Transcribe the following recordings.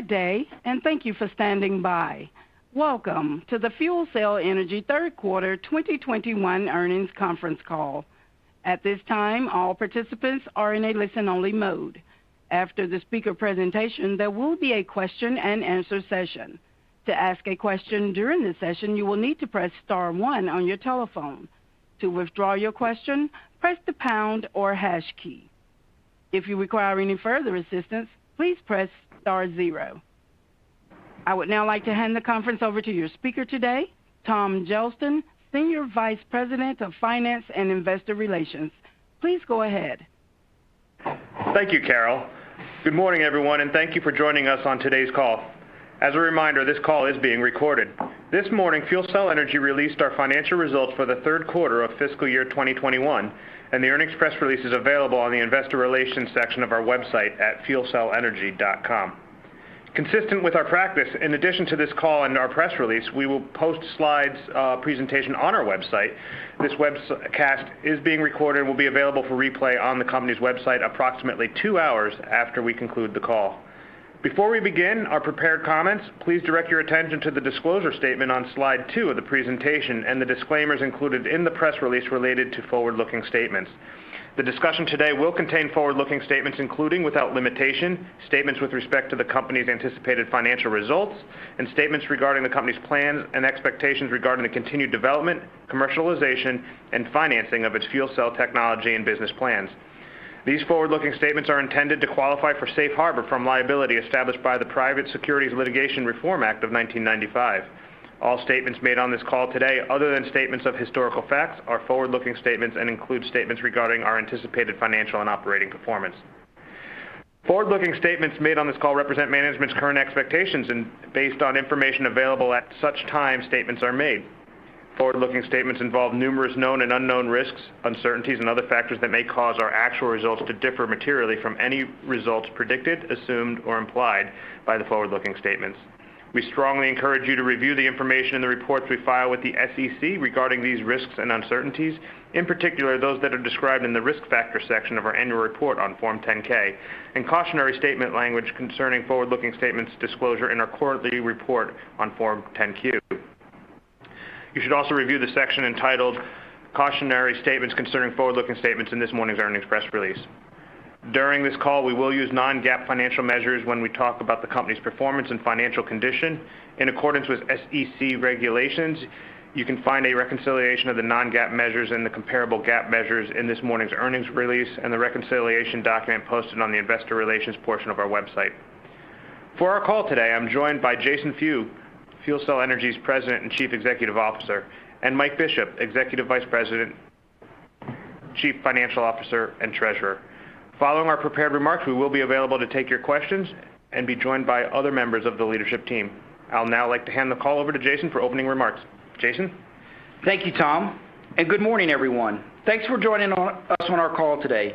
Good day and thank you for standing by. Welcome to the FuelCell Energy Third Quarter 2021 Earnings Conference Call. At this time, all participants are in listen-only mode. After the speaker presentation, there will be a question-and-answer session. To ask a question during this session, you will need to press star one on your telephone. To withdraw your question, press the pound or hash key. If you require any further assistance, please press star zero. I would now like to hand the conference over to your speaker today, Tom Gelston, Senior Vice President of Finance and Investor Relations. Please go ahead. Thank you, Carol. Good morning, everyone, and thank you for joining us on today's call. As a reminder, this call is being recorded. This morning, FuelCell Energy released our financial results for the third quarter of fiscal year 2021. The earnings press release is available on the investor relations section of our website at fuelcellenergy.com. Consistent with our practice, in addition to this call and our press release, we will post slide presentation on our website. This webcast is being recorded and will be available for replay on the company's website approximately two hours after we conclude the call. Before we begin our prepared comments, please direct your attention to the disclosure statement on slide two of the presentation and the disclaimers included in the press release related to forward-looking statements. The discussion today will contain forward-looking statements, including, without limitation, statements with respect to the company's anticipated financial results and statements regarding the company's plans and expectations regarding the continued development, commercialization, and financing of its fuel cell technology and business plans. These forward-looking statements are intended to qualify for safe harbor from liability established by the Private Securities Litigation Reform Act of 1995. All statements made on this call today, other than statements of historical facts, are forward-looking statements and include statements regarding our anticipated financial and operating performance. Forward-looking statements made on this call represent management's current expectations and based on information available at such time statements are made. Forward-looking statements involve numerous known and unknown risks, uncertainties, and other factors that may cause our actual results to differ materially from any results predicted, assumed, or implied by the forward-looking statements. We strongly encourage you to review the information in the reports we file with the SEC regarding these risks and uncertainties, in particular, those that are described in the Risk Factors section of our annual report on Form 10-K and cautionary statement language concerning forward-looking statements disclosure in our quarterly report on Form 10-Q. You should also review the section entitled "Cautionary Statements Concerning Forward-Looking Statements" in this morning's earnings press release. During this call, we will use non-GAAP financial measures when we talk about the company's performance and financial condition in accordance with SEC regulations. You can find a reconciliation of the non-GAAP measures and the comparable GAAP measures in this morning's earnings release and the reconciliation document posted on the investor relations portion of our website. For our call today, I'm joined by Jason Few, FuelCell Energy's President and Chief Executive Officer, and Mike Bishop, Executive Vice President, Chief Financial Officer, and Treasurer. Following our prepared remarks, we will be available to take your questions and be joined by other members of the leadership team. I'll now like to hand the call over to Jason for opening remarks. Jason? Thank you, Tom, and good morning, everyone. Thanks for joining us on our call today.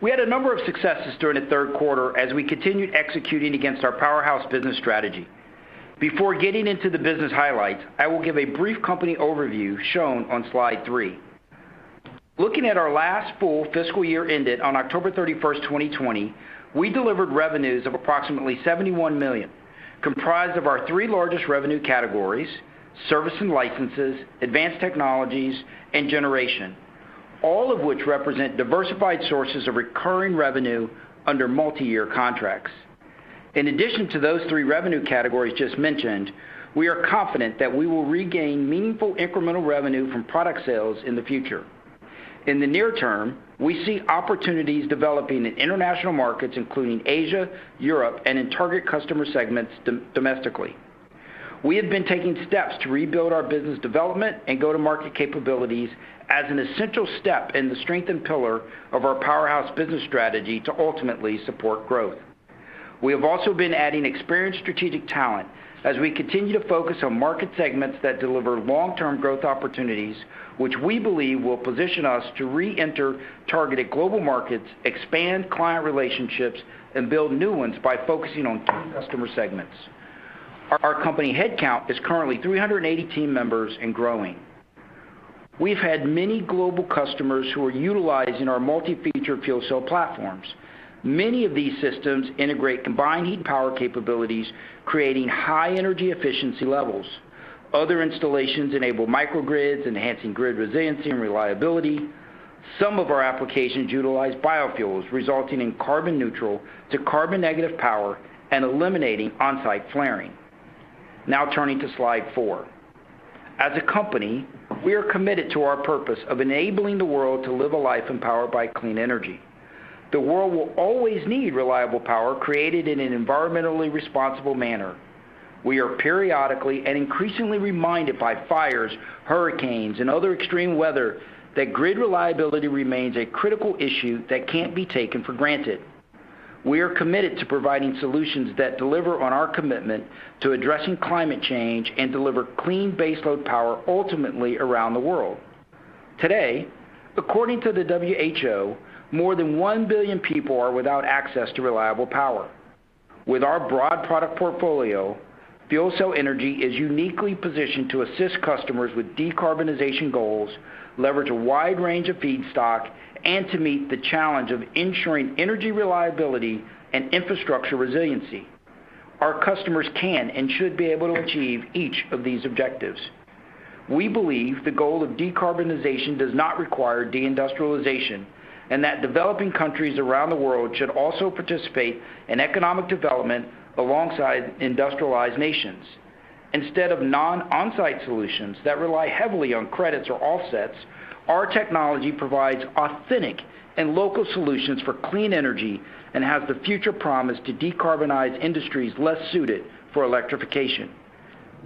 We had a number of successes during the third quarter as we continued executing against our Powerhouse business strategy. Before getting into the business highlights, I will give a brief company overview shown on slide three. Looking at our last full fiscal year ended on October 31, 2020, we delivered revenues of approximately $71 million, comprised of our three largest revenue categories: service and licenses, advanced technologies, and Generation, all of which represent diversified sources of recurring revenue under multi-year contracts. In addition to those three revenue categories just mentioned, we are confident that we will regain meaningful incremental revenue from product sales in the future. In the near term, we see opportunities developing in international markets, including Asia, Europe, and in target customer segments domestically. We have been taking steps to rebuild our business development and go-to-market capabilities as an essential step in the strengthened pillar of our Powerhouse business strategy to ultimately support growth. We have also been adding experienced strategic talent as we continue to focus on market segments that deliver long-term growth opportunities, which we believe will position us to re-enter targeted global markets, expand client relationships, and build new ones by focusing on key customer segments. Our company headcount is currently 380 team members and growing. We've had many global customers who are utilizing our multi-feature fuel cell platforms. Many of these systems integrate combined heat power capabilities, creating high energy efficiency levels. Other installations enable microgrids, enhancing grid resiliency and reliability. Some of our applications utilize biofuels, resulting in carbon neutral to carbon-negative power and eliminating on-site flaring. Now turning to slide four. As a company, we are committed to our purpose of enabling the world to live a life empowered by clean energy. The world will always need reliable power created in an environmentally responsible manner. We are periodically and increasingly reminded by fires, hurricanes, and other extreme weather that grid reliability remains a critical issue that can't be taken for granted. We are committed to providing solutions that deliver on our commitment to addressing climate change and deliver clean baseload power ultimately around the world. Today, according to the WHO, more than one billion people are without access to reliable power. With our broad product portfolio FuelCell Energy is uniquely positioned to assist customers with decarbonization goals, leverage a wide range of feedstock, and to meet the challenge of ensuring energy reliability and infrastructure resiliency. Our customers can and should be able to achieve each of these objectives. We believe the goal of decarbonization does not require de-industrialization, and that developing countries around the world should also participate in economic development alongside industrialized nations. Instead of non-onsite solutions that rely heavily on credits or offsets, our technology provides authentic and local solutions for clean energy and has the future promise to decarbonize industries less suited for electrification.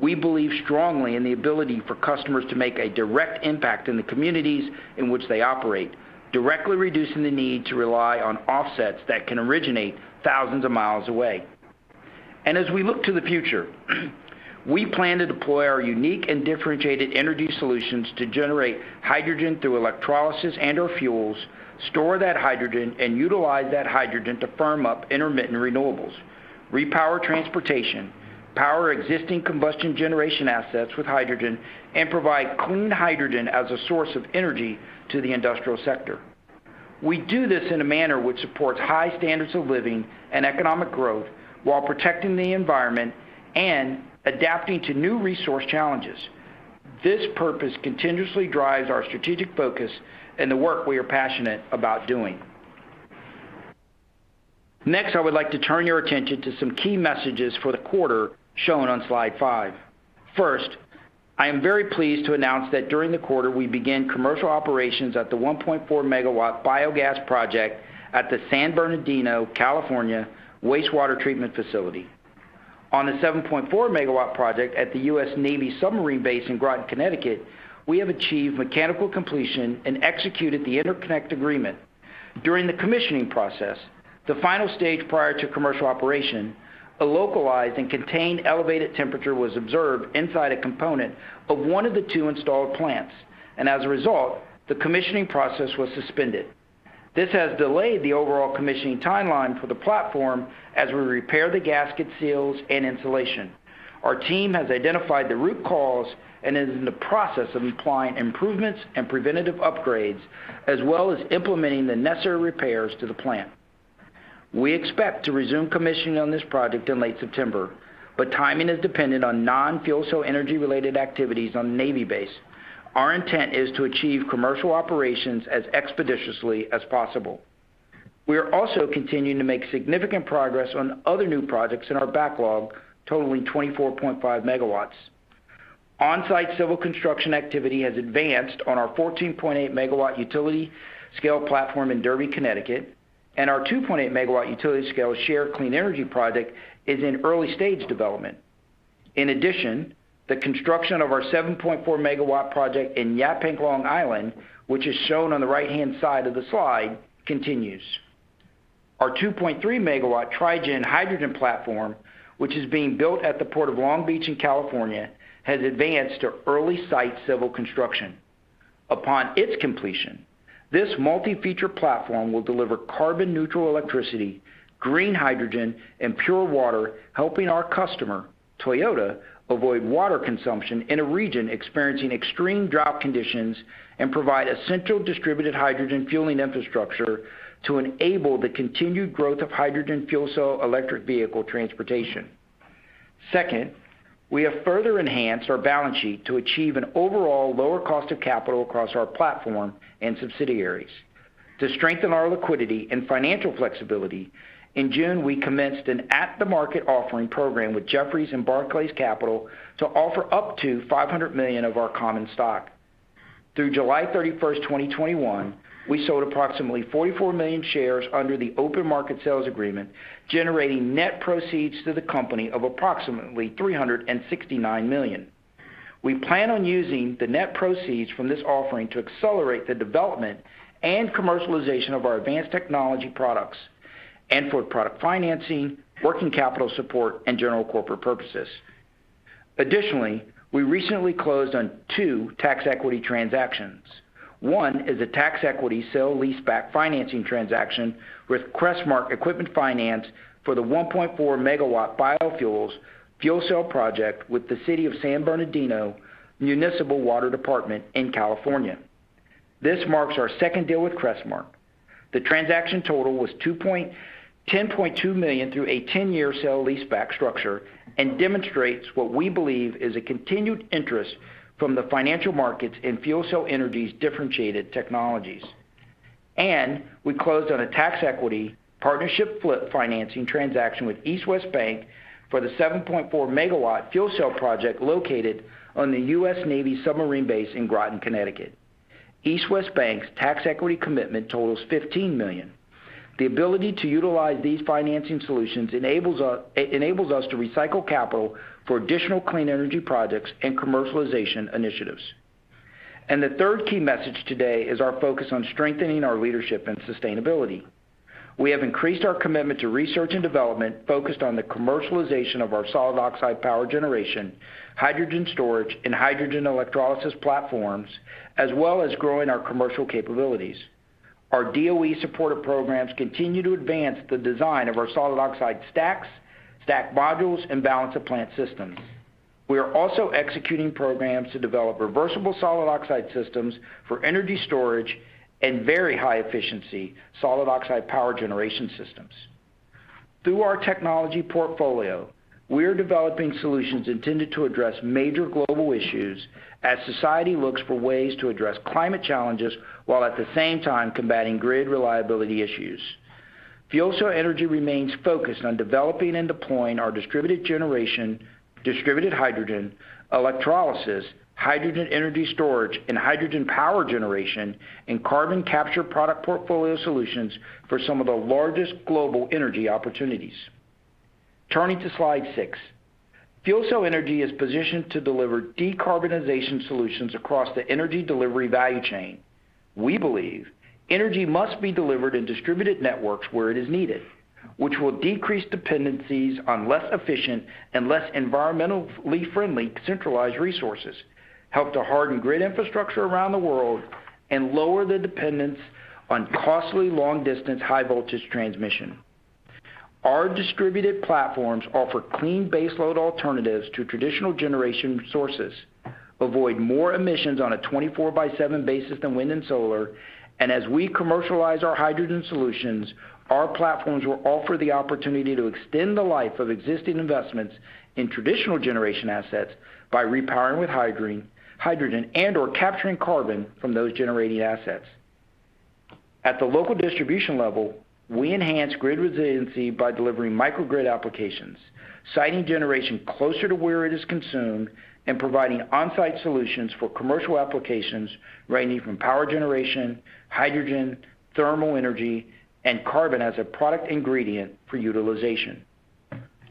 We believe strongly in the ability for customers to make a direct impact in the communities in which they operate, directly reducing the need to rely on offsets that can originate thousands of miles away. As we look to the future, we plan to deploy our unique and differentiated energy solutions to generate hydrogen through electrolysis and/or fuels, store that hydrogen, and utilize that hydrogen to firm up intermittent renewables, repower transportation, power existing combustion generation assets with hydrogen, and provide clean hydrogen as a source of energy to the industrial sector. We do this in a manner which supports high standards of living and economic growth while protecting the environment and adapting to new resource challenges. This purpose continuously drives our strategic focus and the work we are passionate about doing. Next, I would like to turn your attention to some key messages for the quarter shown on slide five. First, I am very pleased to announce that during the quarter, we began commercial operations at the 1.4-MW biogas project at the San Bernardino, California, wastewater treatment facility. On the 7.4-MW project at the U.S. Navy submarine base in Groton, Connecticut, we have achieved mechanical completion and executed the interconnect agreement. During the commissioning process, the final stage prior to commercial operation, a localized and contained elevated temperature was observed inside a component of one of the two installed plants, and as a result, the commissioning process was suspended. This has delayed the overall commissioning timeline for the platform as we repair the gasket seals and insulation. Our team has identified the root cause and is in the process of applying improvements and preventative upgrades, as well as implementing the necessary repairs to the plant. We expect to resume commissioning on this project in late September, but timing is dependent on non-FuelCell Energy related activities on the Navy base. Our intent is to achieve commercial operations as expeditiously as possible. We are also continuing to make significant progress on other new projects in our backlog, totaling 24.5 MW. On-site civil construction activity has advanced on our 14.8-MW utility scale platform in Derby, Connecticut, and our 2.8-MW utility scale shared clean energy project is in early-stage development. In addition, the construction of our 7.4-MW project in Yaphank, Long Island, which is shown on the right-hand side of the slide, continues. Our 2.3-MW Tri-gen hydrogen platform, which is being built at the Port of Long Beach in California, has advanced to early site civil construction. Upon its completion, this multi-feature platform will deliver carbon neutral electricity, green hydrogen, and pure water, helping our customer, Toyota, avoid water consumption in a region experiencing extreme drought conditions and provide a central distributed hydrogen fueling infrastructure to enable the continued growth of hydrogen fuel cell electric vehicle transportation. Second, we have further enhanced our balance sheet to achieve an overall lower cost of capital across our platform and subsidiaries. To strengthen our liquidity and financial flexibility, in June, we commenced an at-the-market offering program with Jefferies and Barclays Capital to offer up to $500 million of our common stock. Through July 31st, 2021, we sold approximately 44 million shares under the open market sales agreement, generating net proceeds to the company of approximately $369 million. We plan on using the net proceeds from this offering to accelerate the development and commercialization of our advanced technology products and for product financing, working capital support, and general corporate purposes. Additionally, we recently closed on two tax equity transactions. One is a tax equity sale-leaseback financing transaction with Crestmark Equipment Finance for the 1.4 MW biofuels fuel cell project with the San Bernardino Municipal Water Department in California. This marks our second deal with Crestmark. The transaction total was $10.2 million through a 10-year sale-leaseback structure and demonstrates what we believe is a continued interest from the financial markets in FuelCell Energy's differentiated technologies. We closed on a tax equity partnership flip financing transaction with East West Bank for the 7.4 MW fuel cell project located on the U.S. Navy submarine base in Groton, Connecticut. East West Bank's tax equity commitment totals $15 million. The ability to utilize these financing solutions enables us to recycle capital for additional clean energy projects and commercialization initiatives. The third key message today is our focus on strengthening our leadership and sustainability. We have increased our commitment to research and development focused on the commercialization of our solid oxide power generation, hydrogen storage, and hydrogen electrolysis platforms, as well as growing our commercial capabilities. Our DOE-supported programs continue to advance the design of our solid oxide stacks, stack modules, and balance of plant systems. We are also executing programs to develop reversible solid oxide systems for energy storage and very high-efficiency solid oxide power generation systems. Through our technology portfolio, we are developing solutions intended to address major global issues as society looks for ways to address climate challenges, while at the same time combating grid reliability issues. FuelCell Energy remains focused on developing and deploying our distributed generation, distributed hydrogen, electrolysis, hydrogen energy storage, and hydrogen power generation, and carbon capture product portfolio solutions for some of the largest global energy opportunities. Turning to slide six. FuelCell Energy is positioned to deliver decarbonization solutions across the energy delivery value chain. We believe energy must be delivered in distributed networks where it is needed, which will decrease dependencies on less efficient and less environmentally friendly centralized resources, help to harden grid infrastructure around the world, and lower the dependence on costly long-distance high-voltage transmission. Our distributed platforms offer clean baseload alternatives to traditional generation sources, avoid more emissions on a 24 x 7 basis than wind and solar, and as we commercialize our hydrogen solutions, our platforms will offer the opportunity to extend the life of existing investments in traditional generation assets by repowering with hydrogen and/or capturing carbon from those generating assets. At the local distribution level, we enhance grid resiliency by delivering microgrid applications, siting generation closer to where it is consumed, and providing on-site solutions for commercial applications ranging from power generation, hydrogen, thermal energy, and carbon as a product ingredient for utilization.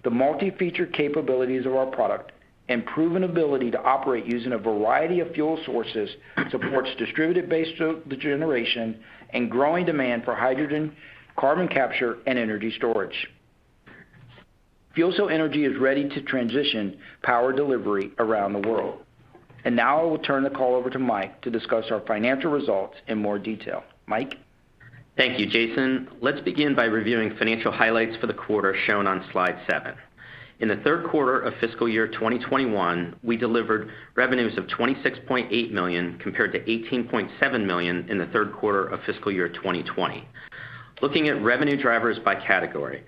The multi-feature capabilities of our product and proven ability to operate using a variety of fuel sources supports distributed baseload generation and growing demand for hydrogen, carbon capture, and energy storage. FuelCell Energy is ready to transition power delivery around the world. Now I will turn the call over to Mike to discuss our financial results in more detail. Mike? Thank you, Jason. Let's begin by reviewing financial highlights for the quarter shown on slide seven. In the third quarter of fiscal year 2021, we delivered revenues of $26.8 million, compared to $18.7 million in the third quarter of fiscal year 2020. Looking at revenue drivers by category,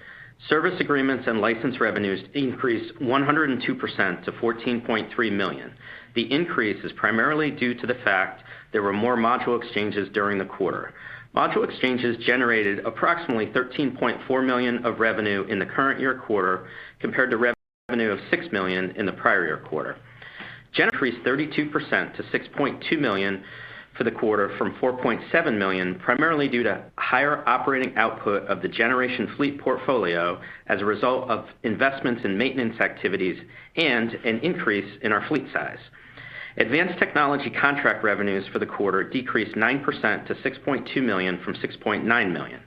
service agreements and license revenues increased 102% to $14.3 million. The increase is primarily due to the fact there were more module exchanges during the quarter. Module exchanges generated approximately $13.4 million of revenue in the current year quarter, compared to revenue of $6 million in the prior year quarter. Generation increased 32% to $6.2 million for the quarter from $4.7 million, primarily due to higher operating output of the Generation fleet portfolio as a result of investments in maintenance activities and an increase in our fleet size. Advanced technology contract revenues for the quarter decreased 9% to $6.2 million from $6.9 million.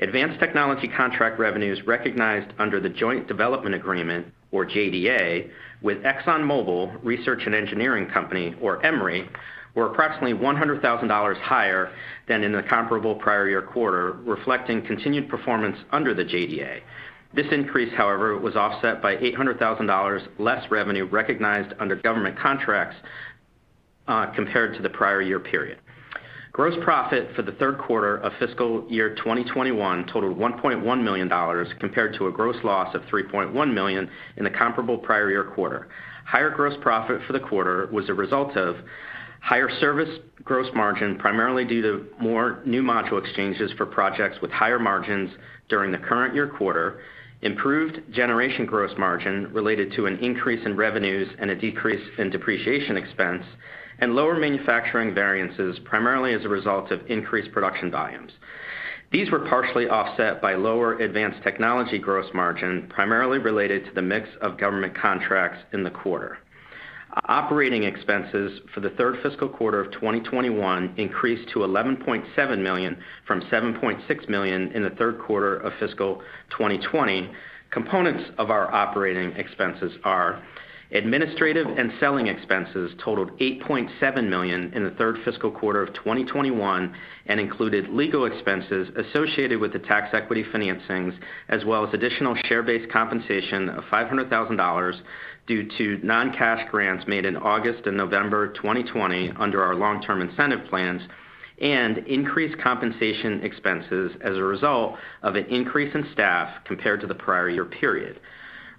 Advanced technology contract revenues recognized under the Joint Development Agreement, or JDA, with ExxonMobil Research and Engineering Company, or EMRE, were approximately $100,000 higher than in the comparable prior year quarter, reflecting continued performance under the JDA. This increase, however, was offset by $800,000 less revenue recognized under government contracts, compared to the prior year period. Gross profit for the third quarter of fiscal year 2021 totaled $1.1 million, compared to a gross loss of $3.1 million in the comparable prior year quarter. Higher gross profit for the quarter was a result of higher service gross margin, primarily due to more new module exchanges for projects with higher margins during the current year quarter, improved Generation gross margin related to an increase in revenues and a decrease in depreciation expense, and lower manufacturing variances, primarily as a result of increased production volumes. These were partially offset by lower advanced technology gross margin, primarily related to the mix of government contracts in the quarter. Operating expenses for the third fiscal quarter of 2021 increased to $11.7 million from $7.6 million in the third quarter of fiscal 2020. Components of our operating expenses are administrative and selling expenses totaled $8.7 million in the third fiscal quarter of 2021 and included legal expenses associated with the tax equity financings, as well as additional share-based compensation of $500,000 due to non-cash grants made in August and November 2020 under our long-term incentive plans, and increased compensation expenses as a result of an increase in staff compared to the prior year period.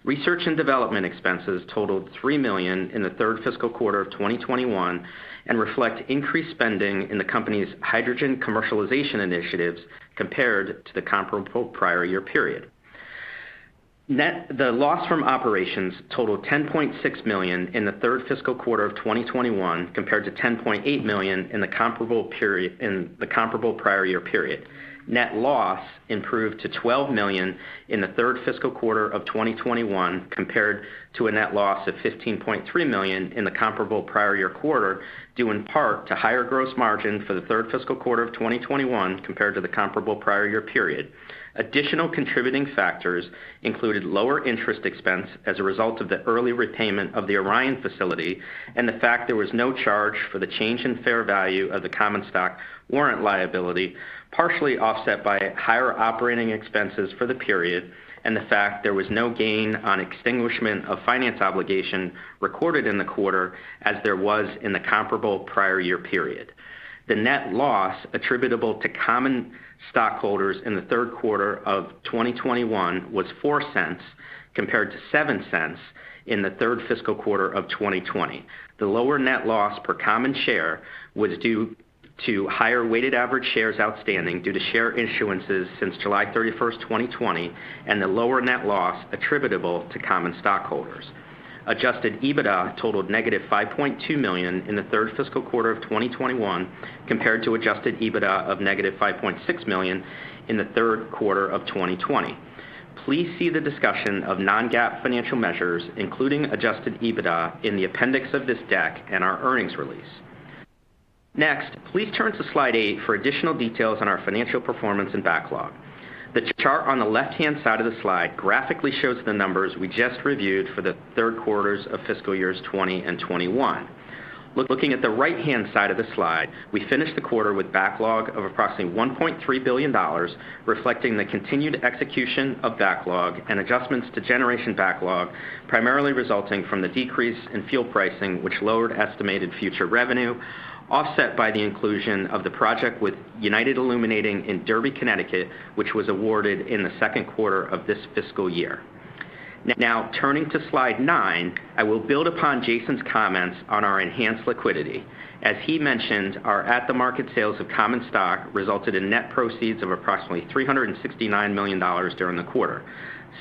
Research and development expenses totaled $3 million in the third fiscal quarter of 2021 and reflect increased spending in the company's hydrogen commercialization initiatives compared to the comparable prior year period. The loss from operations totaled $10.6 million in the third fiscal quarter of 2021 compared to $10.8 million in the comparable prior year period. Net loss improved to $12 million in the third fiscal quarter of 2021 compared to a net loss of $15.3 million in the comparable prior year quarter, due in part to higher gross margin for the third fiscal quarter of 2021 compared to the comparable prior year period. Additional contributing factors included lower interest expense as a result of the early repayment of the Orion facility and the fact there was no charge for the change in fair value of the common stock warrant liability, partially offset by higher operating expenses for the period and the fact there was no gain on extinguishment of finance obligation recorded in the quarter as there was in the comparable prior year period. The net loss attributable to common stockholders in the third quarter of 2021 was $0.04, compared to $0.07 in the third fiscal quarter of 2020. The lower net loss per common share was due to higher weighted average shares outstanding due to share issuances since July 31st, 2020, and the lower net loss attributable to common stockholders. Adjusted EBITDA totaled -$5.2 million in the third fiscal quarter of 2021, compared to Adjusted EBITDA of -$5.6 million in the third quarter of 2020. Please see the discussion of non-GAAP financial measures, including Adjusted EBITDA, in the appendix of this deck and our earnings release. Please turn to slide eight for additional details on our financial performance and backlog. The chart on the left-hand side of the slide graphically shows the numbers we just reviewed for the third quarters of fiscal years 2020 and 2021. Looking at the right-hand side of the slide, we finished the quarter with backlog of approximately $1.3 billion, reflecting the continued execution of backlog and adjustments to Generation backlog, primarily resulting from the decrease in fuel pricing, which lowered estimated future revenue, offset by the inclusion of the project with United Illuminating in Derby, Connecticut, which was awarded in the second quarter of this fiscal year. Turning to slide nine, I will build upon Jason's comments on our enhanced liquidity. As he mentioned, our at-the-market sales of common stock resulted in net proceeds of approximately $369 million during the quarter.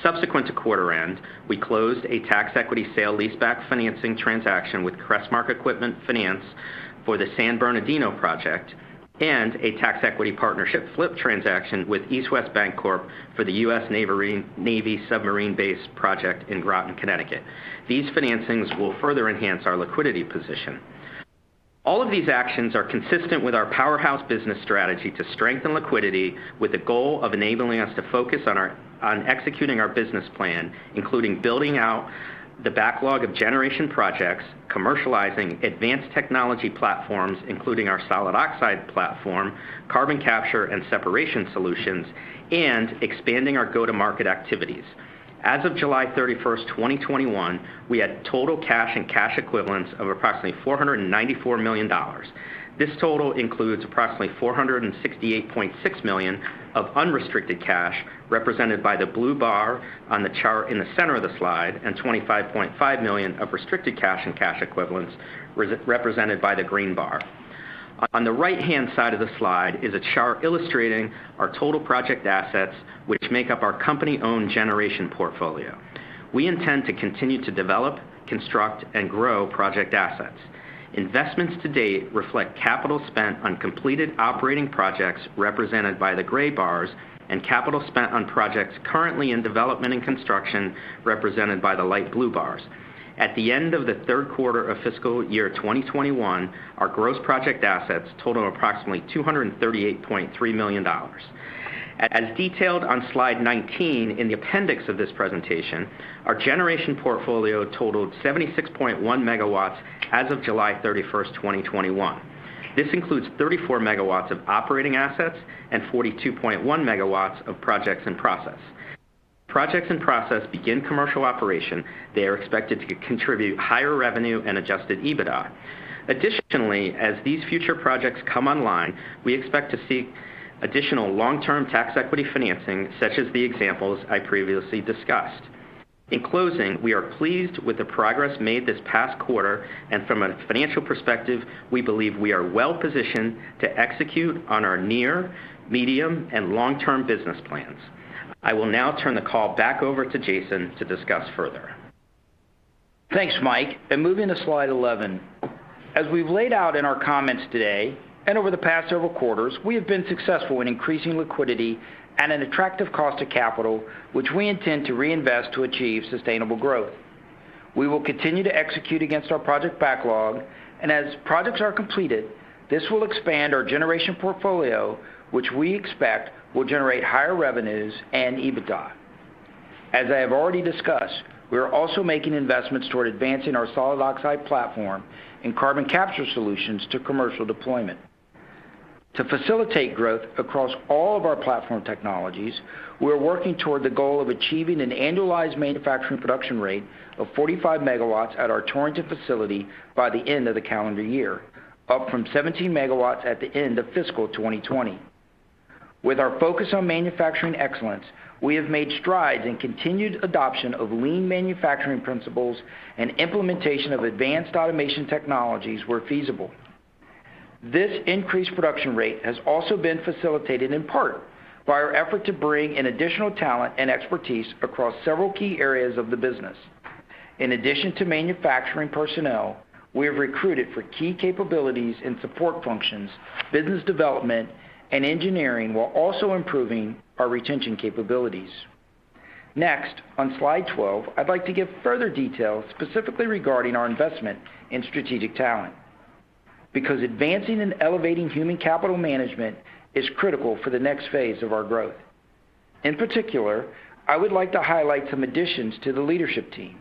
Subsequent to quarter end, we closed a tax equity sale-leaseback financing transaction with Crestmark Equipment Finance for the San Bernardino project and a tax equity partnership flip transaction with East West Bancorp for the U.S. Navy submarine base project in Groton, Connecticut. These financings will further enhance our liquidity position. All of these actions are consistent with our Powerhouse business strategy to strengthen liquidity with the goal of enabling us to focus on executing our business plan, including building out the backlog of Generation projects, commercializing advanced technology platforms, including our solid oxide platform, carbon capture and separation solutions, and expanding our go-to-market activities. As of July 31st, 2021, we had total cash and cash equivalents of approximately $494 million. This total includes approximately $468.6 million of unrestricted cash, represented by the blue bar on the chart in the center of the slide, and $25.5 million of restricted cash and cash equivalents, represented by the green bar. On the right-hand side of the slide is a chart illustrating our total project assets, which make up our company-owned Generation portfolio. We intend to continue to develop, construct, and grow project assets. Investments to date reflect capital spent on completed operating projects, represented by the gray bars, and capital spent on projects currently in development and construction, represented by the light blue bars. At the end of the third quarter of fiscal year 2021, our gross project assets totaled approximately $238.3 million. As detailed on slide 19 in the appendix of this presentation, our Generation portfolio totaled 76.1 MW as of July 31st, 2021. This includes 34 MW of operating assets and 42.1 MW of projects in process. Projects in process begin commercial operation, they are expected to contribute higher revenue and adjusted EBITDA. Additionally, as these future projects come online, we expect to seek additional long-term tax equity financing, such as the examples I previously discussed. In closing, we are pleased with the progress made this past quarter and from a financial perspective, we believe we are well-positioned to execute on our near, medium, and long-term business plans. I will now turn the call back over to Jason to discuss further. Thanks, Mike. Moving to slide 11. As we've laid out in our comments today, and over the past several quarters, we have been successful in increasing liquidity at an attractive cost of capital, which we intend to reinvest to achieve sustainable growth. We will continue to execute against our project backlog, and as projects are completed, this will expand our Generation portfolio, which we expect will generate higher revenues and EBITDA. As I have already discussed, we are also making investments toward advancing our solid oxide platform and carbon capture solutions to commercial deployment. To facilitate growth across all of our platform technologies, we are working toward the goal of achieving an annualized manufacturing production rate of 45 MW at our Torrington facility by the end of the calendar year, up from 17 MW at the end of fiscal 2020. With our focus on manufacturing excellence, we have made strides in continued adoption of lean manufacturing principles and implementation of advanced automation technologies where feasible. This increased production rate has also been facilitated in part by our effort to bring in additional talent and expertise across several key areas of the business. In addition to manufacturing personnel, we have recruited for key capabilities and support functions, business development, and engineering, while also improving our retention capabilities. Next, on slide 12, I'd like to give further details specifically regarding our investment in strategic talent. Because advancing and elevating human capital management is critical for the next phase of our growth. In particular, I would like to highlight some additions to the leadership team.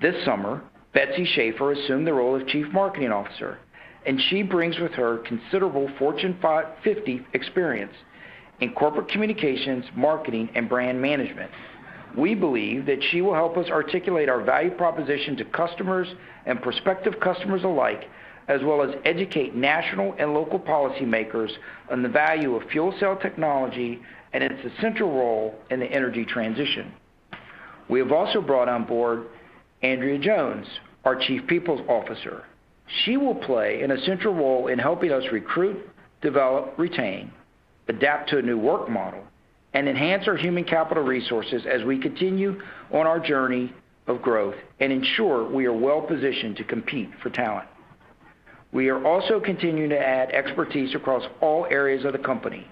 This summer, Betsy Schaefer assumed the role of Chief Marketing Officer. She brings with her considerable Fortune 50 experience in corporate communications, marketing, and brand management. We believe that she will help us articulate our value proposition to customers and prospective customers alike, as well as educate national and local policymakers on the value of fuel cell technology and its essential role in the energy transition. We have also brought on board Andrea Jones, our Chief People Officer. She will play an essential role in helping us recruit, develop, retain, adapt to a new work model, and enhance our human capital resources as we continue on our journey of growth and ensure we are well-positioned to compete for talent. We are also continuing to add expertise across all areas of the company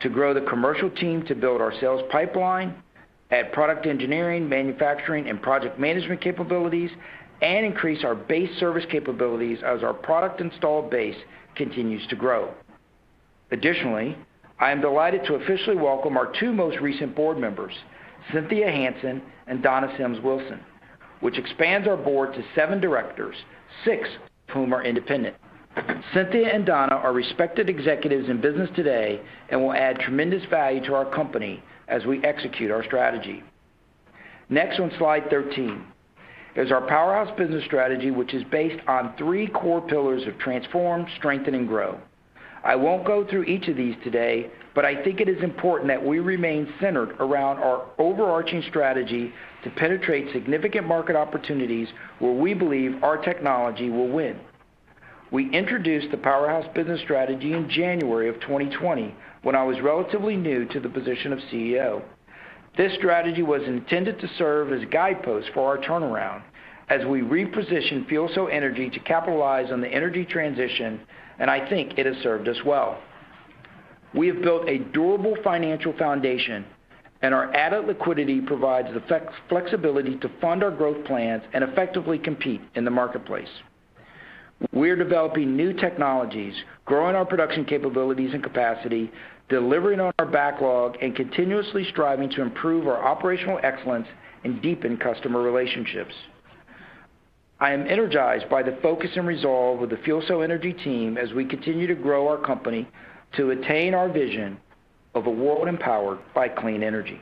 to grow the commercial team to build our sales pipeline, add product engineering, manufacturing, and project management capabilities, and increase our base service capabilities as our product install base continues to grow. Additionally, I am delighted to officially welcome our two most recent board members, Cynthia Hansen and Donna Sims Wilson, which expands our board to seven directors, six of whom are independent. Cynthia and Donna are respected executives in business today and will add tremendous value to our company as we execute our strategy. Next, on slide 13, is our Powerhouse business strategy, which is based on three core pillars of transform, strengthen, and grow. I won't go through each of these today. I think it is important that we remain centered around our overarching strategy to penetrate significant market opportunities where we believe our technology will win. We introduced the Powerhouse business strategy in January of 2020 when I was relatively new to the position of CEO. This strategy was intended to serve as a guidepost for our turnaround as we repositioned FuelCell Energy to capitalize on the energy transition. I think it has served us well. We have built a durable financial foundation. Our added liquidity provides the flexibility to fund our growth plans and effectively compete in the marketplace. We are developing new technologies, growing our production capabilities and capacity, delivering on our backlog, and continuously striving to improve our operational excellence and deepen customer relationships. I am energized by the focus and resolve of the FuelCell Energy team as we continue to grow our company to attain our vision of a world empowered by clean energy.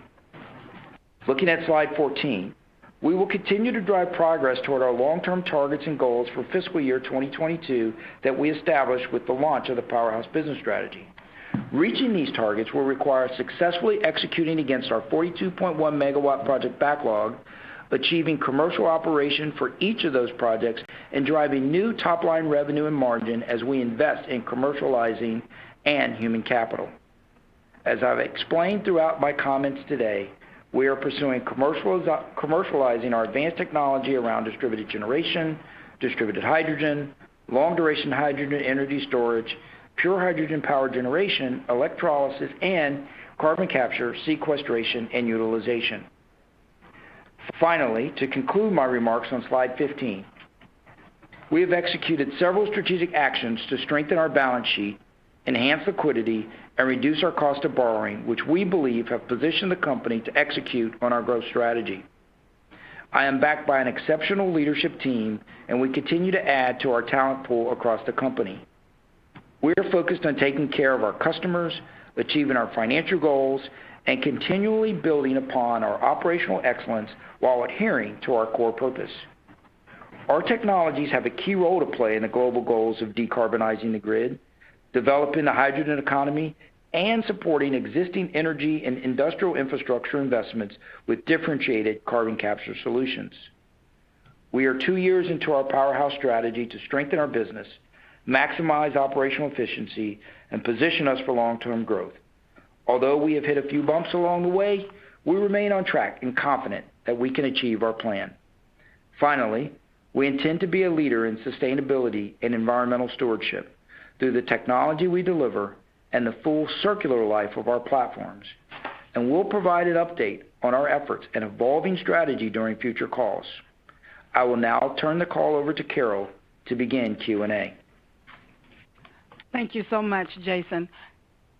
Looking at slide 14, we will continue to drive progress toward our long-term targets and goals for fiscal year 2022 that we established with the launch of the Powerhouse business strategy. Reaching these targets will require successfully executing against our 42.1 MW project backlog, achieving commercial operation for each of those projects, and driving new top-line revenue and margin as we invest in commercializing and human capital. As I've explained throughout my comments today, we are pursuing commercializing our advanced technology around distributed generation, distributed hydrogen, long-duration hydrogen energy storage, pure hydrogen power generation, electrolysis, and carbon capture, sequestration, and utilization. Finally, to conclude my remarks on slide 15, we have executed several strategic actions to strengthen our balance sheet, enhance liquidity, and reduce our cost of borrowing, which we believe have positioned the company to execute on our growth strategy. I am backed by an exceptional leadership team, and we continue to add to our talent pool across the company. We are focused on taking care of our customers, achieving our financial goals, and continually building upon our operational excellence while adhering to our core purpose. Our technologies have a key role to play in the global goals of decarbonizing the grid, developing the hydrogen economy, and supporting existing energy and industrial infrastructure investments with differentiated carbon capture solutions. We are two years into our Powerhouse strategy to strengthen our business, maximize operational efficiency, and position us for long-term growth. Although we have hit a few bumps along the way, we remain on track and confident that we can achieve our plan. Finally, we intend to be a leader in sustainability and environmental stewardship through the technology we deliver and the full circular life of our platforms. We'll provide an update on our efforts and evolving strategy during future calls. I will now turn the call over to Carol to begin Q&A. Thank you so much, Jason.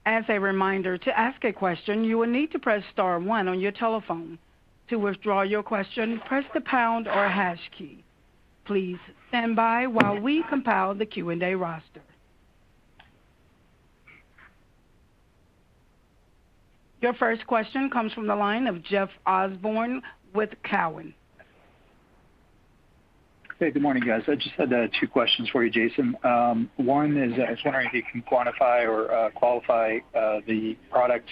As a reminder, to ask a question, you will need to press star one on your telephone. To withdraw your question, press the pound or hash key. Please stand by while we compile the Q&A roster. Your first question comes from the line of Jeff Osborne with Cowen. Hey, good morning, guys. I just had two questions for you, Jason. One is, I was wondering if you can quantify or qualify the product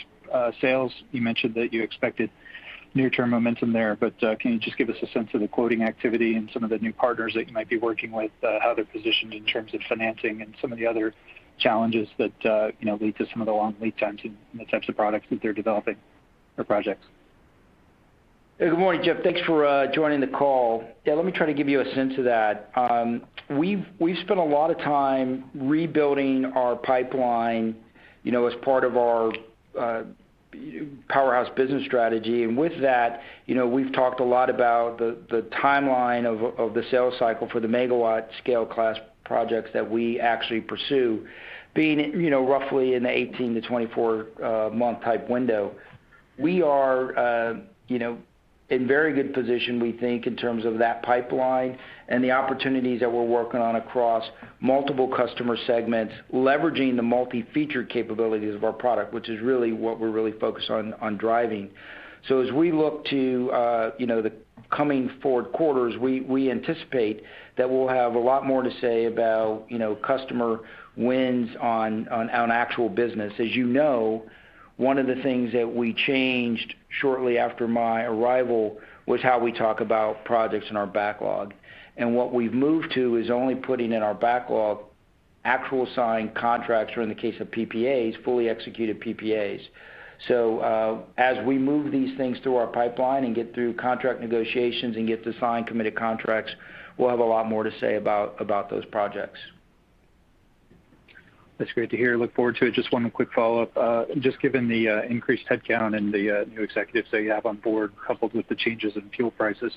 sales. You mentioned that you expected near-term momentum there, but can you just give us a sense of the quoting activity and some of the new partners that you might be working with, how they're positioned in terms of financing and some of the other challenges that lead to some of the long lead times in the types of products that they're developing or projects? Good morning, Jeff. Thanks for joining the call. Yeah, let me try to give you a sense of that. We've spent a lot of time rebuilding our pipeline as part of our Powerhouse business strategy. With that, we've talked a lot about the timeline of the sales cycle for the megawatt scale class projects that we actually pursue being roughly in the 18-24-month type window. We are in very good position, we think, in terms of that pipeline and the opportunities that we're working on across multiple customer segments, leveraging the multi-feature capabilities of our product, which is really what we're really focused on driving. As we look to the coming forward quarters, we anticipate that we'll have a lot more to say about customer wins on actual business. As you know, one of the things that we changed shortly after my arrival was how we talk about projects in our backlog. What we've moved to is only putting in our backlog actual signed contracts, or in the case of PPAs, fully executed PPAs. As we move these things through our pipeline and get through contract negotiations and get the signed committed contracts, we'll have a lot more to say about those projects. That's great to hear. Look forward to it. Just one quick follow-up. Just given the increased headcount and the new executives that you have on board, coupled with the changes in fuel prices,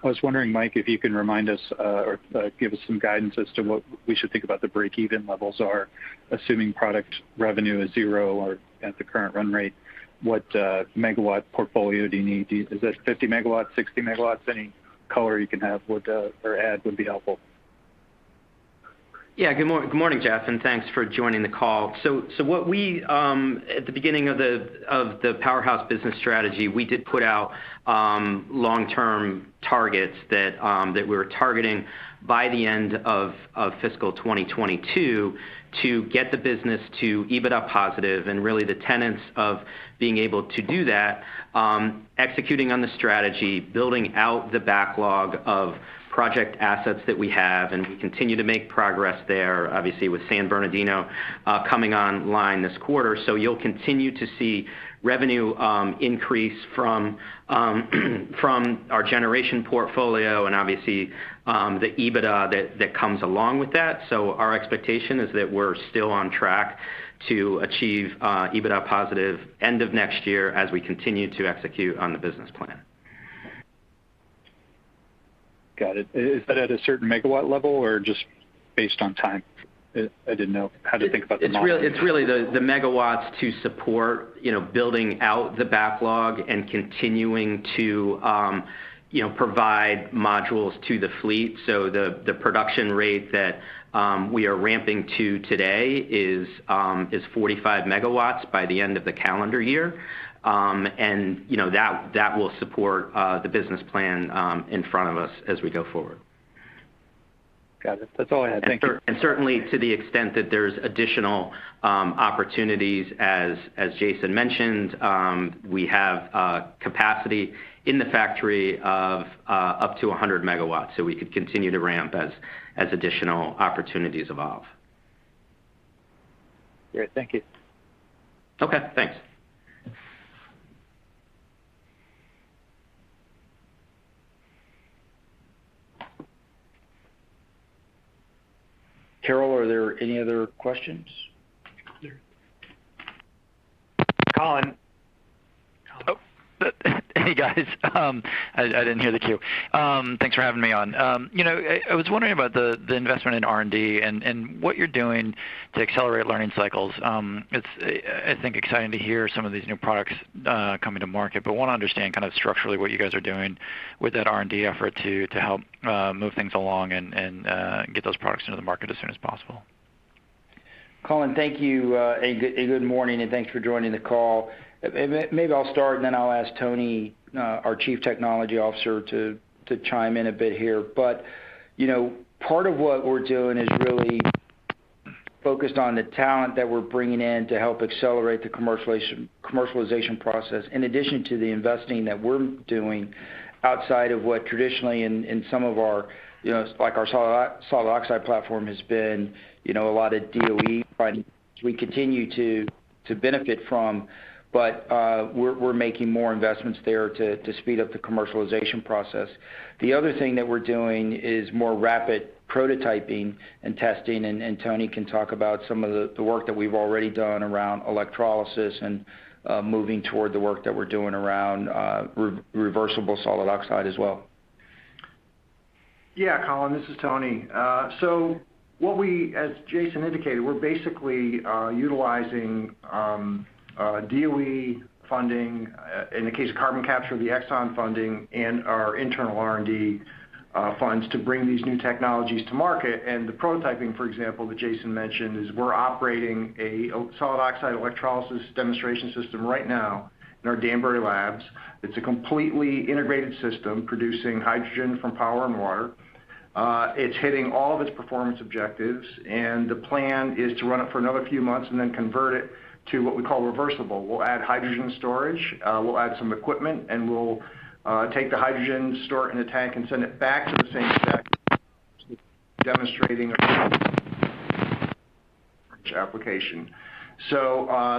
I was wondering, Mike, if you can remind us or give us some guidance as to what we should think about the breakeven levels are, assuming product revenue is zero or at the current run rate, what megawatt portfolio do you need? Is that 50 MW, 60 MW? Any color you can add would be helpful. Yeah. Good morning, Jeff. Thanks for joining the call. At the beginning of the Powerhouse business strategy, we did put out long-term targets that we were targeting by the end of fiscal 2022 to get the business to EBITDA positive, and really the tenets of being able to do that, executing on the strategy, building out the backlog of project assets that we have, and we continue to make progress there, obviously with San Bernardino coming online this quarter. You'll continue to see revenue increase from our Generation portfolio and obviously, the EBITDA that comes along with that. Our expectation is that we're still on track to achieve EBITDA positive end of next year as we continue to execute on the business plan. Got it. Is that at a certain megawatt level or just based on time? I didn't know how to think about the model. It's really the megawatts to support building out the backlog and continuing to provide modules to the fleet. The production rate that we are ramping to today is 45 MW by the end of the calendar year. That will support the business plan in front of us as we go forward. Got it. That's all I had. Thank you. Certainly to the extent that there's additional opportunities, as Jason mentioned, we have capacity in the factory of up to 100 MW, so we could continue to ramp as additional opportunities evolve. Great. Thank you. Okay. Thanks. Carol, are there any other questions? Hey, guys. I didn't hear the queue. Thanks for having me on. I was wondering about the investment in R&D and what you're doing to accelerate learning cycles. It's, I think, exciting to hear some of these new products coming to market, but want to understand kind of structurally what you guys are doing with that R&D effort to help move things along and get those products into the market as soon as possible. Colin, thank you. Good morning, and thanks for joining the call. Maybe I'll start and then I'll ask Tony, our Chief Technology Officer to chime in a bit here. Part of what we're doing is really focused on the talent that we're bringing in to help accelerate the commercialization process, in addition to the investing that we're doing outside of what traditionally in some of our, like our solid oxide platform has been a lot of DOE funding, which we continue to benefit from. We're making more investments there to speed up the commercialization process. The other thing that we're doing is more rapid prototyping and testing, and Tony can talk about some of the work that we've already done around electrolysis and moving toward the work that we're doing around reversible solid oxide as well. Yeah, Colin, this is Tony. As Jason indicated, we're basically utilizing DOE funding, in the case of carbon capture, the Exxon funding and our internal R&D funds to bring these new technologies to market. The prototyping, for example, that Jason mentioned, is we're operating a solid oxide electrolysis demonstration system right now in our Danbury labs. It's a completely integrated system producing hydrogen from power and water. It's hitting all of its performance objectives, the plan is to run it for another few months and then convert it to what we call reversible. We'll add hydrogen storage, we'll add some equipment, we'll take the hydrogen, store it in a tank, and send it back to the same stack, demonstrating application.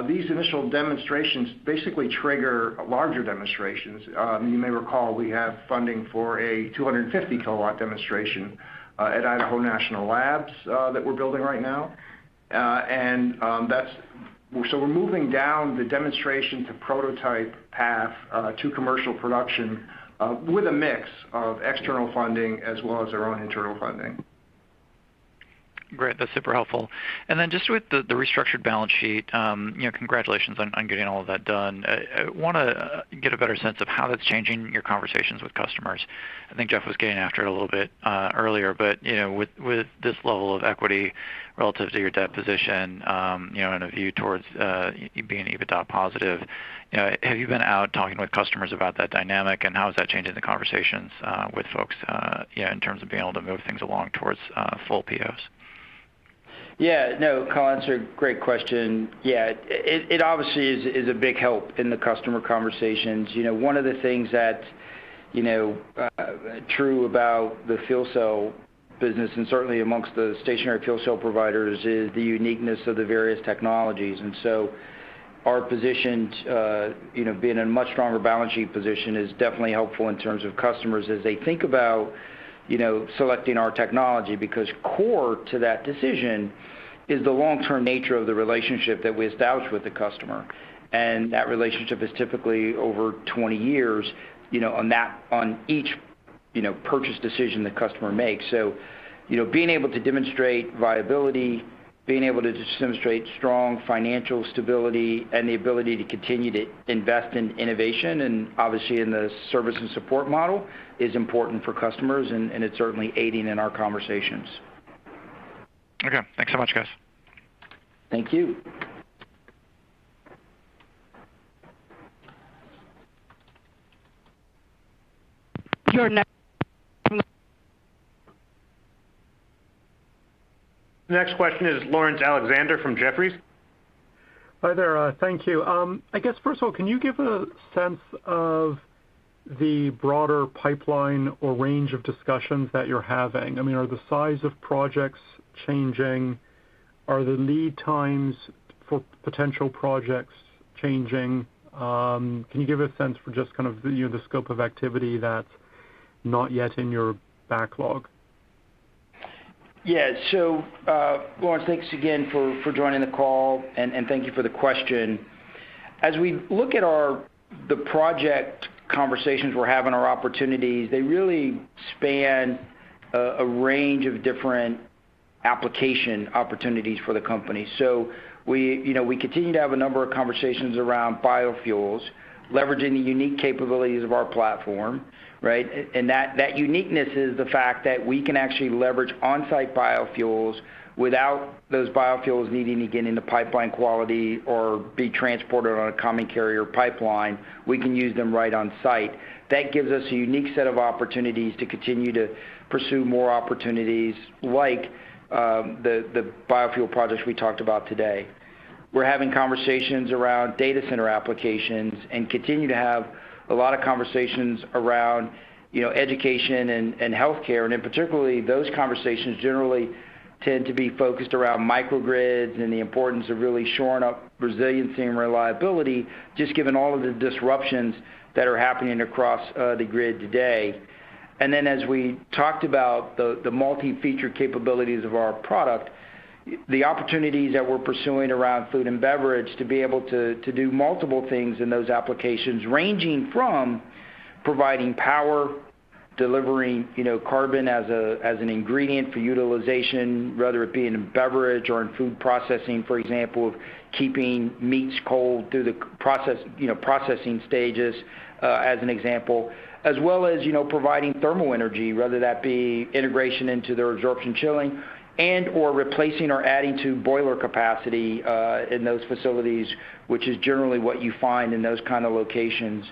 These initial demonstrations basically trigger larger demonstrations. You may recall we have funding for a 250-kW demonstration at Idaho National Labs that we're building right now. We're moving down the demonstration to prototype path to commercial production with a mix of external funding as well as our own internal funding. Great. That's super helpful. Just with the restructured balance sheet, congratulations on getting all of that done. I want to get a better sense of how that's changing your conversations with customers. I think Jeff was getting after it a little bit earlier, with this level of equity relative to your debt position, and a view towards being EBITDA positive, have you been out talking with customers about that dynamic, and how is that changing the conversations with folks in terms of being able to move things along towards full POs? No, Colin, it's a great question. It obviously is a big help in the customer conversations. One of the things that's true about the fuel cell business, and certainly amongst the stationary fuel cell providers, is the uniqueness of the various technologies. Our position to be in a much stronger balance sheet position is definitely helpful in terms of customers as they think about selecting our technology. Core to that decision is the long-term nature of the relationship that we establish with the customer, and that relationship is typically over 20 years on each purchase decision the customer makes. Being able to demonstrate viability, being able to demonstrate strong financial stability, and the ability to continue to invest in innovation, and obviously in the service and support model, is important for customers, and it's certainly aiding in our conversations. Okay. Thanks so much, guys. Thank you. Your next. The next question is Laurence Alexander from Jefferies. Hi there. Thank you. I guess, first of all, can you give a sense of the broader pipeline or range of discussions that you're having? Are the size of projects changing? Are the lead times for potential projects changing? Can you give a sense for just the scope of activity that's not yet in your backlog? Yeah. Laurence, thanks again for joining the call, and thank you for the question. As we look at the project conversations we're having or opportunities, they really span a range of different application opportunities for the company. We continue to have a number of conversations around biofuels, leveraging the unique capabilities of our platform, right? That uniqueness is the fact that we can actually leverage on-site biofuels without those biofuels needing to get into pipeline quality or be transported on a common carrier pipeline. We can use them right on-site. That gives us a unique set of opportunities to continue to pursue more opportunities like the biofuel projects we talked about today. We're having conversations around data center applications and continue to have a lot of conversations around education and healthcare. In particular, those conversations generally tend to be focused around microgrids and the importance of really shoring up resiliency and reliability, just given all of the disruptions that are happening across the grid today. As we talked about the multi-feature capabilities of our product, the opportunities that we're pursuing around food and beverage to be able to do multiple things in those applications, ranging from providing power, delivering carbon as an ingredient for utilization, whether it be in a beverage or in food processing. For example, keeping meats cold through the processing stages as an example. As well as providing thermal energy, whether that be integration into their absorption chilling and/or replacing or adding to boiler capacity in those facilities, which is generally what you find in those kinds of locations.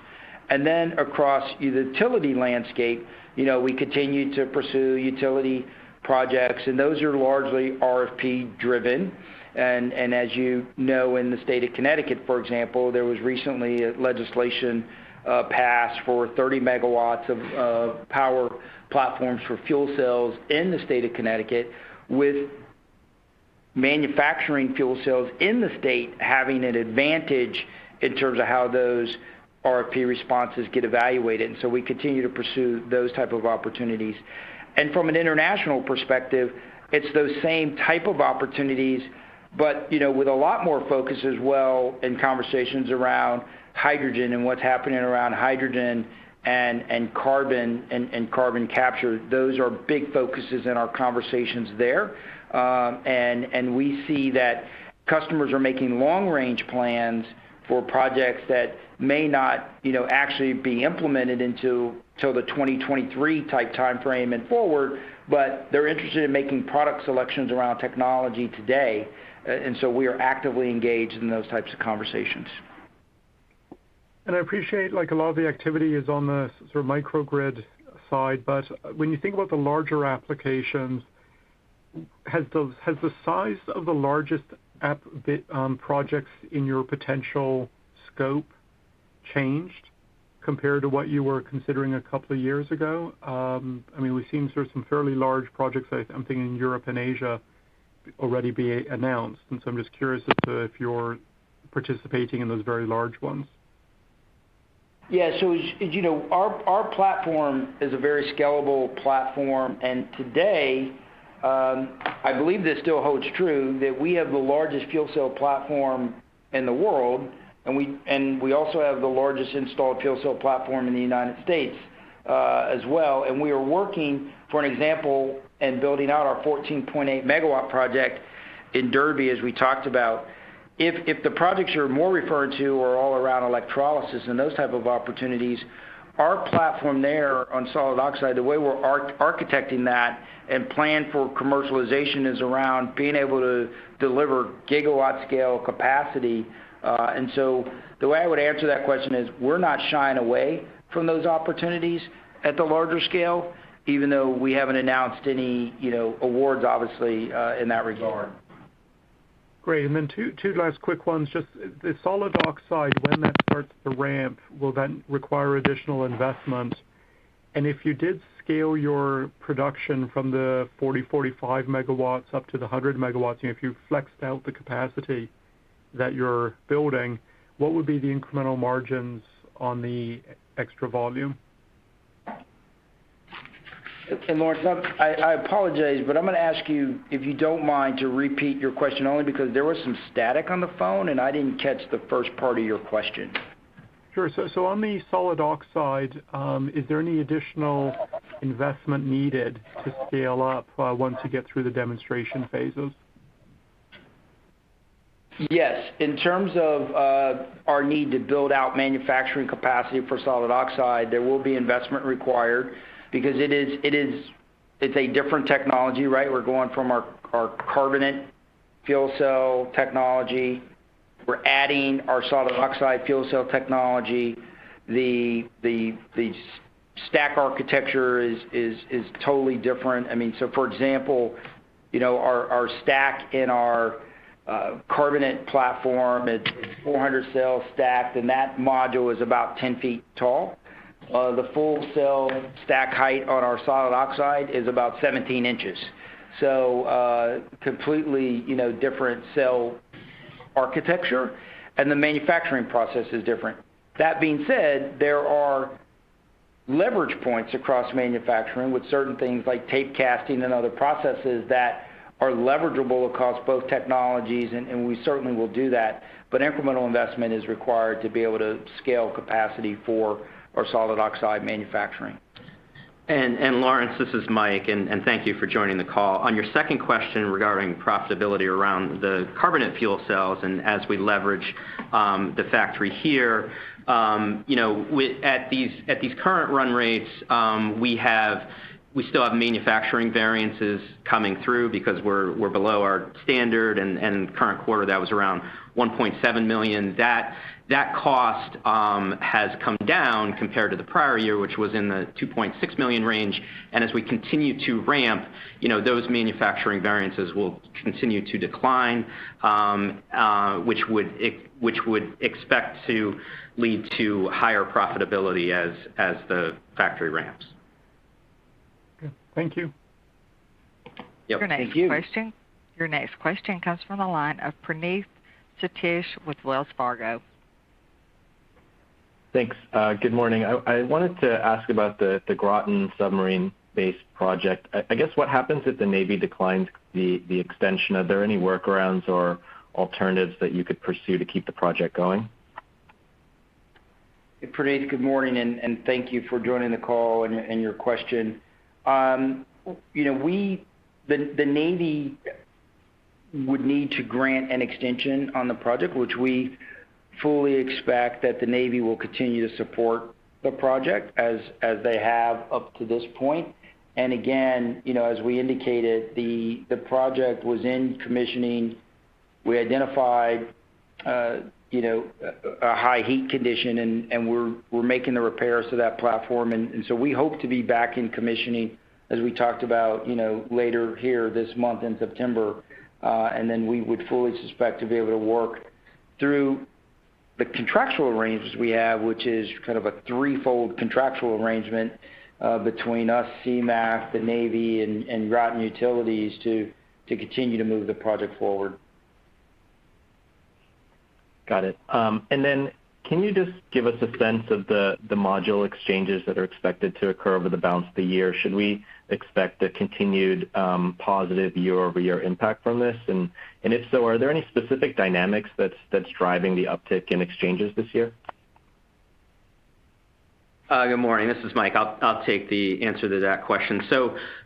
Across the utility landscape, we continue to pursue utility projects, and those are largely RFP-driven. As you know, in the state of Connecticut, for example, there was recently a legislation passed for 30 MW of power platforms for fuel cells in the state of Connecticut, with manufacturing fuel cells in the state having an advantage in terms of how those RFP responses get evaluated. We continue to pursue those type of opportunities. From an international perspective, it's those same type of opportunities, but with a lot more focus as well in conversations around hydrogen and what's happening around hydrogen and carbon capture. Those are big focuses in our conversations there. We see that customers are making long-range plans for projects that may not actually be implemented until the 2023 type timeframe and forward, but they're interested in making product selections around technology today. We are actively engaged in those types of conversations. I appreciate a lot of the activity is on the microgrid side, but when you think about the larger applications, has the size of the largest projects in your potential scope changed compared to what you were considering a couple of years ago? We've seen some fairly large projects, I'm thinking in Europe and Asia, already be announced. I'm just curious if you're participating in those very large ones. Yeah. Our platform is a very scalable platform, and today, I believe this still holds true, that we have the largest fuel cell platform in the world, and we also have the largest installed fuel cell platform in the United States as well. We are working, for example, in building out our 14.8 MW project in Derby, as we talked about. If the projects, you're more referring to are all around electrolysis and those types of opportunities, our platform there on solid oxide, the way we're architecting that and plan for commercialization is around being able to deliver gigawatt scale capacity. The way I would answer that question is, we're not shying away from those opportunities at the larger scale, even though we haven't announced any awards, obviously, in that regard. Great. Two last quick ones. Just the solid oxide, when that starts to ramp, will then require additional investment? If you did scale your production from the 40 MW, 45 MW up to the 100 MW, and if you flexed out the capacity that you're building, what would be the incremental margins on the extra volume? Laurence, I apologize, but I'm going to ask you, if you don't mind, to repeat your question only because there was some static on the phone and I didn't catch the first part of your question. Sure. On the solid oxide, is there any additional investment needed to scale up, once you get through the demonstration phases? Yes. In terms of our need to build out manufacturing capacity for solid oxide, there will be investment required because it's a different technology, right? We're going from our carbonate fuel cell technology, we're adding our solid oxide fuel cell technology. The stack architecture is totally different. For example, our stack in our carbonate platform, it's 400 cells stacked, and that module is about 10 ft tall. The full cell stack height on our solid oxide is about 17 in. Completely different cell architecture, and the manufacturing process is different. That being said, there are leverage points across manufacturing with certain things like tape casting and other processes that are leverageable across both technologies, and we certainly will do that, but incremental investment is required to be able to scale capacity for our solid oxide manufacturing. Laurence, this is Michael, and thank you for joining the call. On your second question regarding profitability around the carbonate fuel cells and as we leverage the factory here, at these current run rates, we still have manufacturing variances coming through because we're below our standard and current quarter that was around $1.7 million. That cost has come down compared to the prior year, which was in the $2.6 million range. As we continue to ramp, those manufacturing variances will continue to decline, which would expect to lead to higher profitability as the factory ramps. Okay. Thank you. Yep. Thank you. Your next question comes from the line of Praneeth Satish with Wells Fargo. Thanks. Good morning. I wanted to ask about the Groton submarine base project. I guess what happens if the Navy declines the extension? Are there any workarounds or alternatives that you could pursue to keep the project going? Praneeth, good morning, thank you for joining the call and your question. The Navy would need to grant an extension on the project, which we fully expect that the Navy will continue to support the project as they have up to this point. Again, as we indicated, the project was in commissioning. We identified a high heat condition, and we're making the repairs to that platform. We hope to be back in commissioning, as we talked about, later here this month in September. We would fully suspect to be able to work through the contractual arrangements we have, which is kind of a threefold contractual arrangement, between us, CMEEC, the Navy, and Groton Utilities to continue to move the project forward. Got it. Can you just give us a sense of the module exchanges that are expected to occur over the balance of the year? Should we expect a continued, positive year-over-year impact from this? If so, are there any specific dynamics that's driving the uptick in exchanges this year? Good morning. This is Mike. I'll take the answer to that question.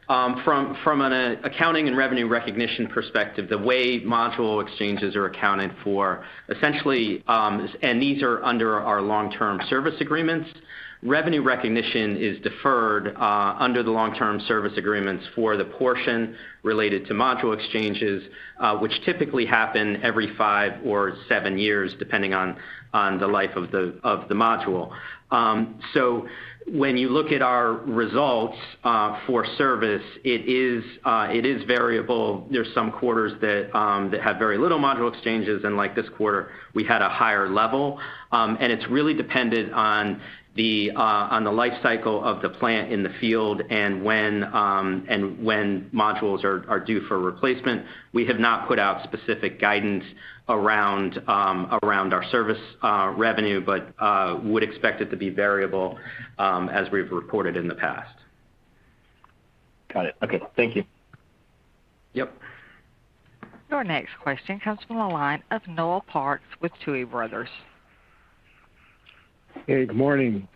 From an accounting and revenue recognition perspective, the way module exchanges are accounted for, essentially, and these are under our long-term service agreements, revenue recognition is deferred under the long-term service agreements for the portion related to module exchanges, which typically happen every five or seven years, depending on the life of the module. When you look at our results for service, it is variable. There's some quarters that have very little module exchanges and like this quarter, we had a higher level. It's really dependent on the life cycle of the plant in the field and when modules are due for replacement. We have not put out specific guidance around our service revenue, but would expect it to be variable, as we've reported in the past. Got it. Okay. Thank you. Yep. Your next question comes from the line of Noel Parks with Tuohy Brothers. Hey, good morning.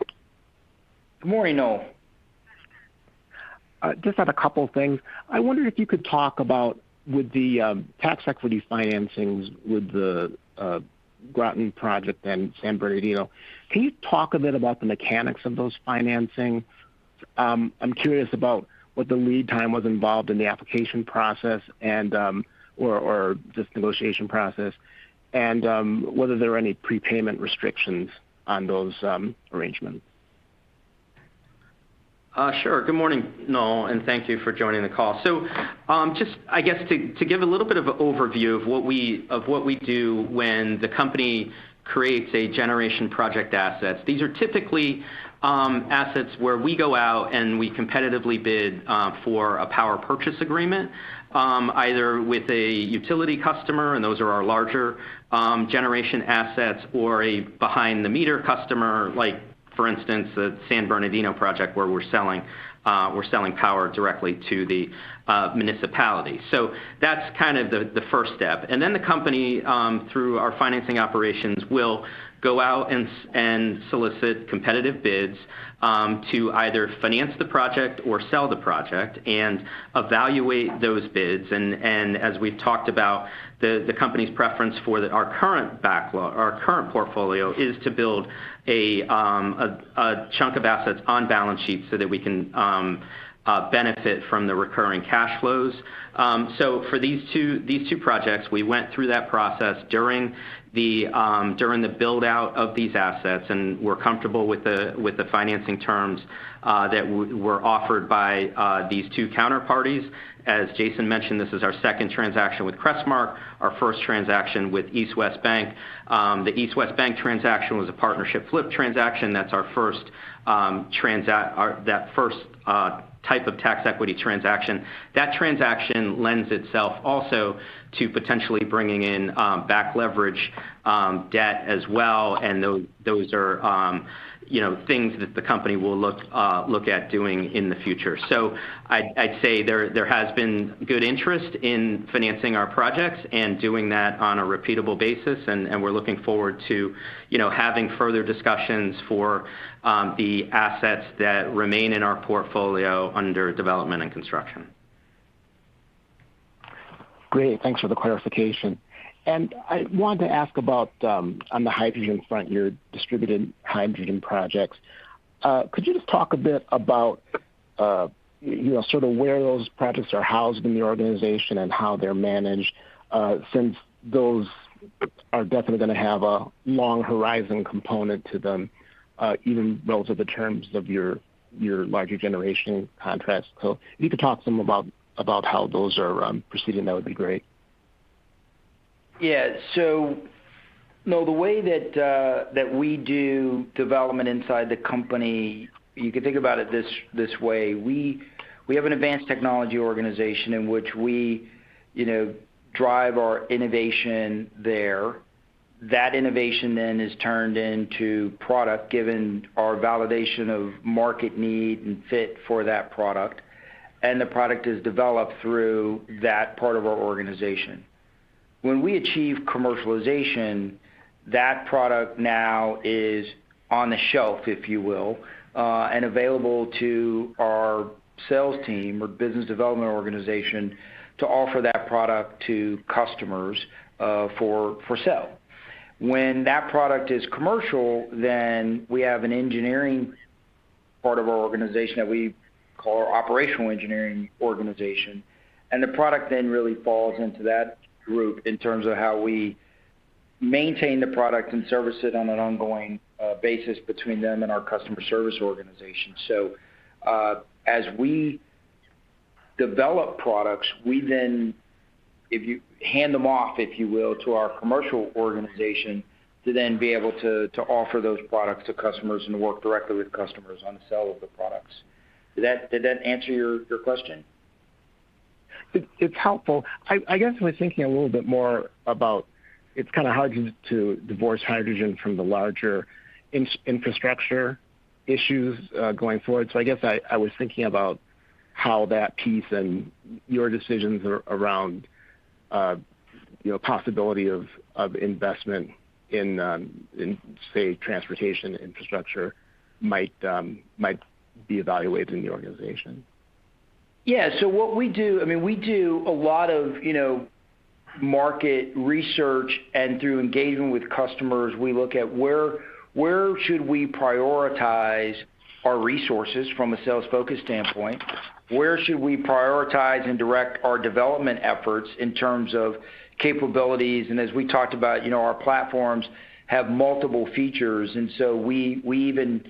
Good morning, Noel. Just have a couple of things. I wonder if you could talk about with the tax equity financings with the Groton project and San Bernardino, can you talk a bit about the mechanics of those financing? I'm curious about what the lead time was involved in the application process or just negotiation process. Whether there are any prepayment restrictions on those arrangements. Sure. Good morning, Noel, and thank you for joining the call. Just, I guess to give a little bit of a overview of what we do when the company creates a generation project asset. These are typically assets where we go out and we competitively bid for a power purchase agreement, either with a utility customer, and those are our larger generation assets or a behind-the-meter customer like for instance, the San Bernardino project where we're selling power directly to the municipality. That's kind of the first step. Then the company, through our financing operations, will go out and solicit competitive bids to either finance the project or sell the project and evaluate those bids. As we've talked about the company's preference for our current portfolio is to build a chunk of assets on balance sheet so that we can benefit from the recurring cash flows. For these two projects, we went through that process during the build-out of these assets, and we're comfortable with the financing terms that were offered by these two counterparties. As Jason Few mentioned, this is our second transaction with Crestmark, our first transaction with East West Bank. The East West Bank transaction was a partnership flip transaction. That's our first type of tax equity transaction. That transaction lends itself also to potentially bringing in back leverage debt as well. Those are things that the company will look at doing in the future. I'd say there has been good interest in financing our projects and doing that on a repeatable basis. We're looking forward to having further discussions for the assets that remain in our portfolio under development and construction. Great. Thanks for the clarification. I wanted to ask about on the hydrogen front, your distributed hydrogen projects. Could you just talk a bit about sort of where those projects are housed in the organization and how they're managed? Since those are definitely going to have a long horizon component to them, even relative to terms of your larger Generation contracts. If you could talk some about how those are proceeding, that would be great. Yeah. Noel, the way that we do development inside the company, you could think about it this way. We have an advanced technology organization in which we drive our innovation there. That innovation then is turned into product given our validation of market need and fit for that product. The product is developed through that part of our organization. When we achieve commercialization, that product now is on the shelf, if you will, and available to our sales team or business development organization to offer that product to customers for sale. When that product is commercial, we have an engineering part of our organization that we call our operational engineering organization. The product then really falls into that group in terms of how we maintain the product and service it on an ongoing basis between them and our customer service organization. As we develop products, we then hand them off, if you will, to our commercial organization to then be able to offer those products to customers and to work directly with customers on the sale of the products. Did that answer your question? It's helpful. I guess I was thinking a little bit more about, it's kind of hard to divorce hydrogen from the larger infrastructure issues going forward. I guess I was thinking about how that piece and your decisions around possibility of investment in, say, transportation infrastructure might be evaluated in the organization. What we do, we do a lot of market research, and through engaging with customers, we look at where should we prioritize our resources from a sales focus standpoint? Where should we prioritize and direct our development efforts in terms of capabilities? As we talked about, our platforms have multiple features, and so we even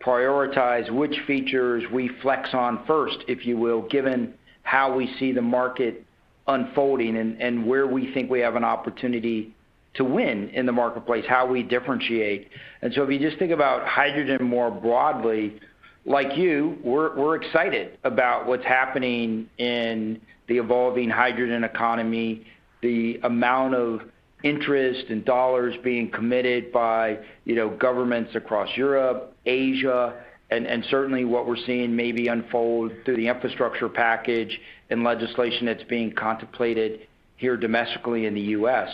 prioritize which features we flex on first, if you will, given how we see the market unfolding and where we think we have an opportunity to win in the marketplace, how we differentiate. If you just think about hydrogen more broadly, like you, we're excited about what's happening in the evolving hydrogen economy, the amount of interest and dollars being committed by governments across Europe, Asia, and certainly what we're seeing maybe unfold through the infrastructure package and legislation that's being contemplated here domestically in the U.S.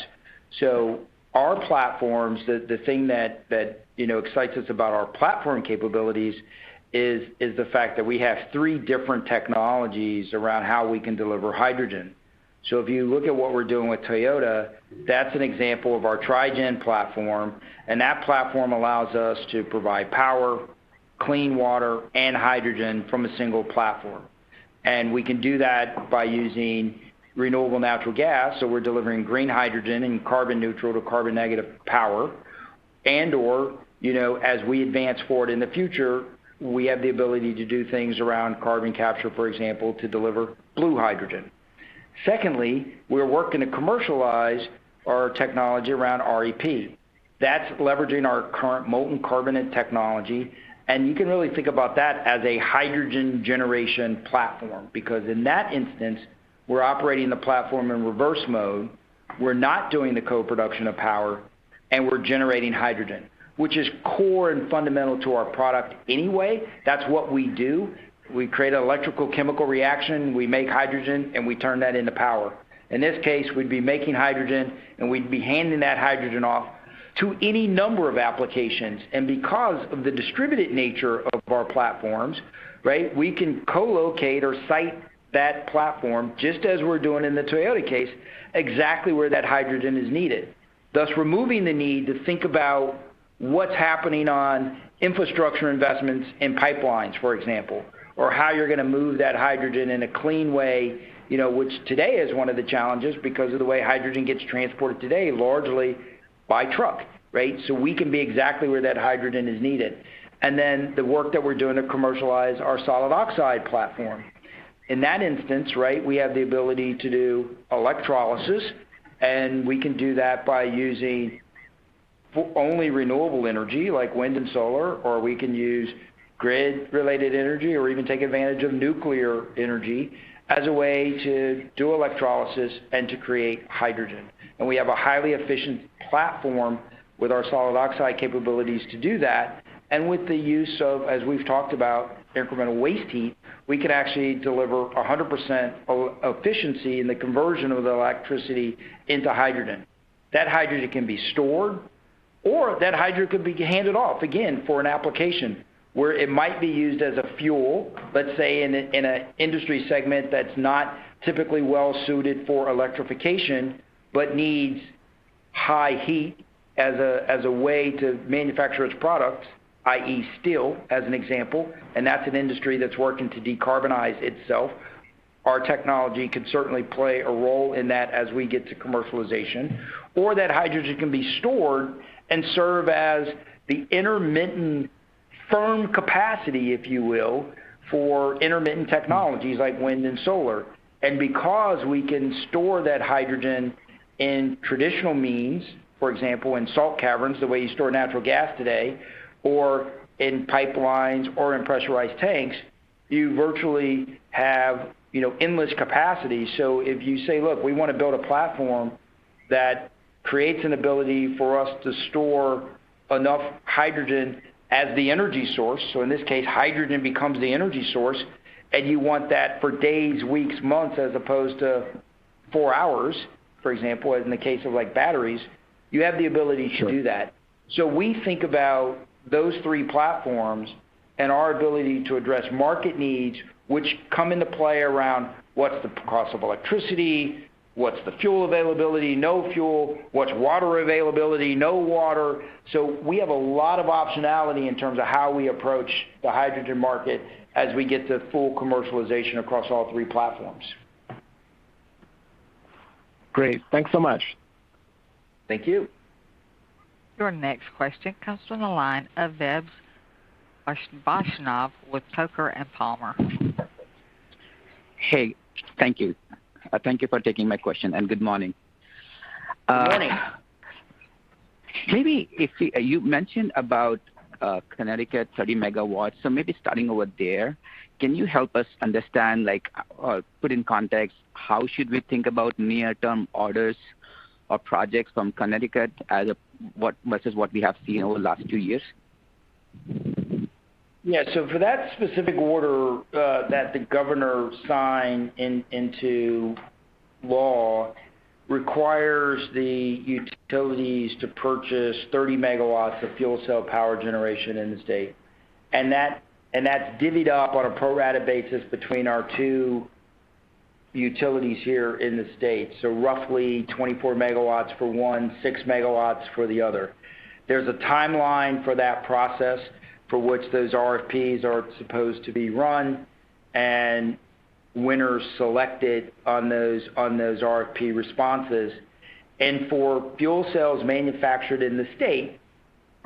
Our platforms, the thing that excites us about our platform capabilities is the fact that we have three different technologies around how we can deliver hydrogen. If you look at what we're doing with Toyota, that's an example of our Tri-gen platform, and that platform allows us to provide power, clean water, and hydrogen from a single platform. We can do that by using renewable natural gas, so we're delivering green hydrogen and carbon neutral to carbon negative power, and/or as we advance forward in the future, we have the ability to do things around carbon capture, for example, to deliver blue hydrogen. Secondly, we're working to commercialize our technology around REP. That's leveraging our current molten carbonate technology, and you can really think about that as a hydrogen generation platform, because in that instance, we're operating the platform in reverse mode. We're not doing the co-production of power, and we're generating hydrogen, which is core and fundamental to our product anyway. That's what we do. We create an electrical chemical reaction, we make hydrogen, and we turn that into power. In this case, we'd be making hydrogen, and we'd be handing that hydrogen off to any number of applications. Because of the distributed nature of our platforms, we can co-locate or site that platform, just as we're doing in the Toyota case, exactly where that hydrogen is needed, thus removing the need to think about what's happening on infrastructure investments in pipelines, for example, or how you're going to move that hydrogen in a clean way, which today is one of the challenges because of the way hydrogen gets transported today, largely by truck. We can be exactly where that hydrogen is needed. The work that we're doing to commercialize our solid oxide platform. In that instance, we have the ability to do electrolysis, and we can do that by using only renewable energy like wind and solar, or we can use grid-related energy or even take advantage of nuclear energy as a way to do electrolysis and to create hydrogen. We have a highly efficient platform with our solid oxide capabilities to do that. With the use of, as we've talked about, incremental waste heat, we could actually deliver 100% efficiency in the conversion of the electricity into hydrogen. That hydrogen can be stored, or that hydrogen could be handed off again for an application where it might be used as a fuel, let's say in an industry segment that's not typically well-suited for electrification, but needs high heat as a way to manufacture its products, i.e. steel as an example. That's an industry that's working to decarbonize itself. Our technology could certainly play a role in that as we get to commercialization. That hydrogen can be stored and serve as the intermittent firm capacity, if you will, for intermittent technologies like wind and solar. Because we can store that hydrogen in traditional means, for example, in salt caverns, the way you store natural gas today, or in pipelines or in pressurized tanks, you virtually have endless capacity. If you say, "Look, we want to build a platform that creates an ability for us to store enough hydrogen as the energy source." In this case, hydrogen becomes the energy source, and you want that for days, weeks, months, as opposed to four hours, for example, as in the case of batteries. You have the ability to do that. Sure. We think about those three platforms and our ability to address market needs, which come into play around what's the cost of electricity? What's the fuel availability? No fuel. What's water availability? No water. We have a lot of optionality in terms of how we approach the hydrogen market as we get to full commercialization across all three platforms. Great. Thanks so much. Thank you. Your next question comes from the line of Vebs Vaishnav with Coker & Palmer. Hey, thank you. Thank you for taking my question. Good morning. Morning. You mentioned about Connecticut, 30 MW, maybe starting over there. Can you help us understand, or put in context, how should we think about near-term orders or projects from Connecticut versus what we have seen over the last two years? For that specific order that the governor signed into law requires the utilities to purchase 30 MW of fuel cell power generation in the state, and that's divvied up on a pro rata basis between our two utilities here in the state. Roughly 24 MW for one, 6 MW for the other. There's a timeline for that process for which those RFPs are supposed to be run and winners selected on those RFP responses. For fuel cells manufactured in the state,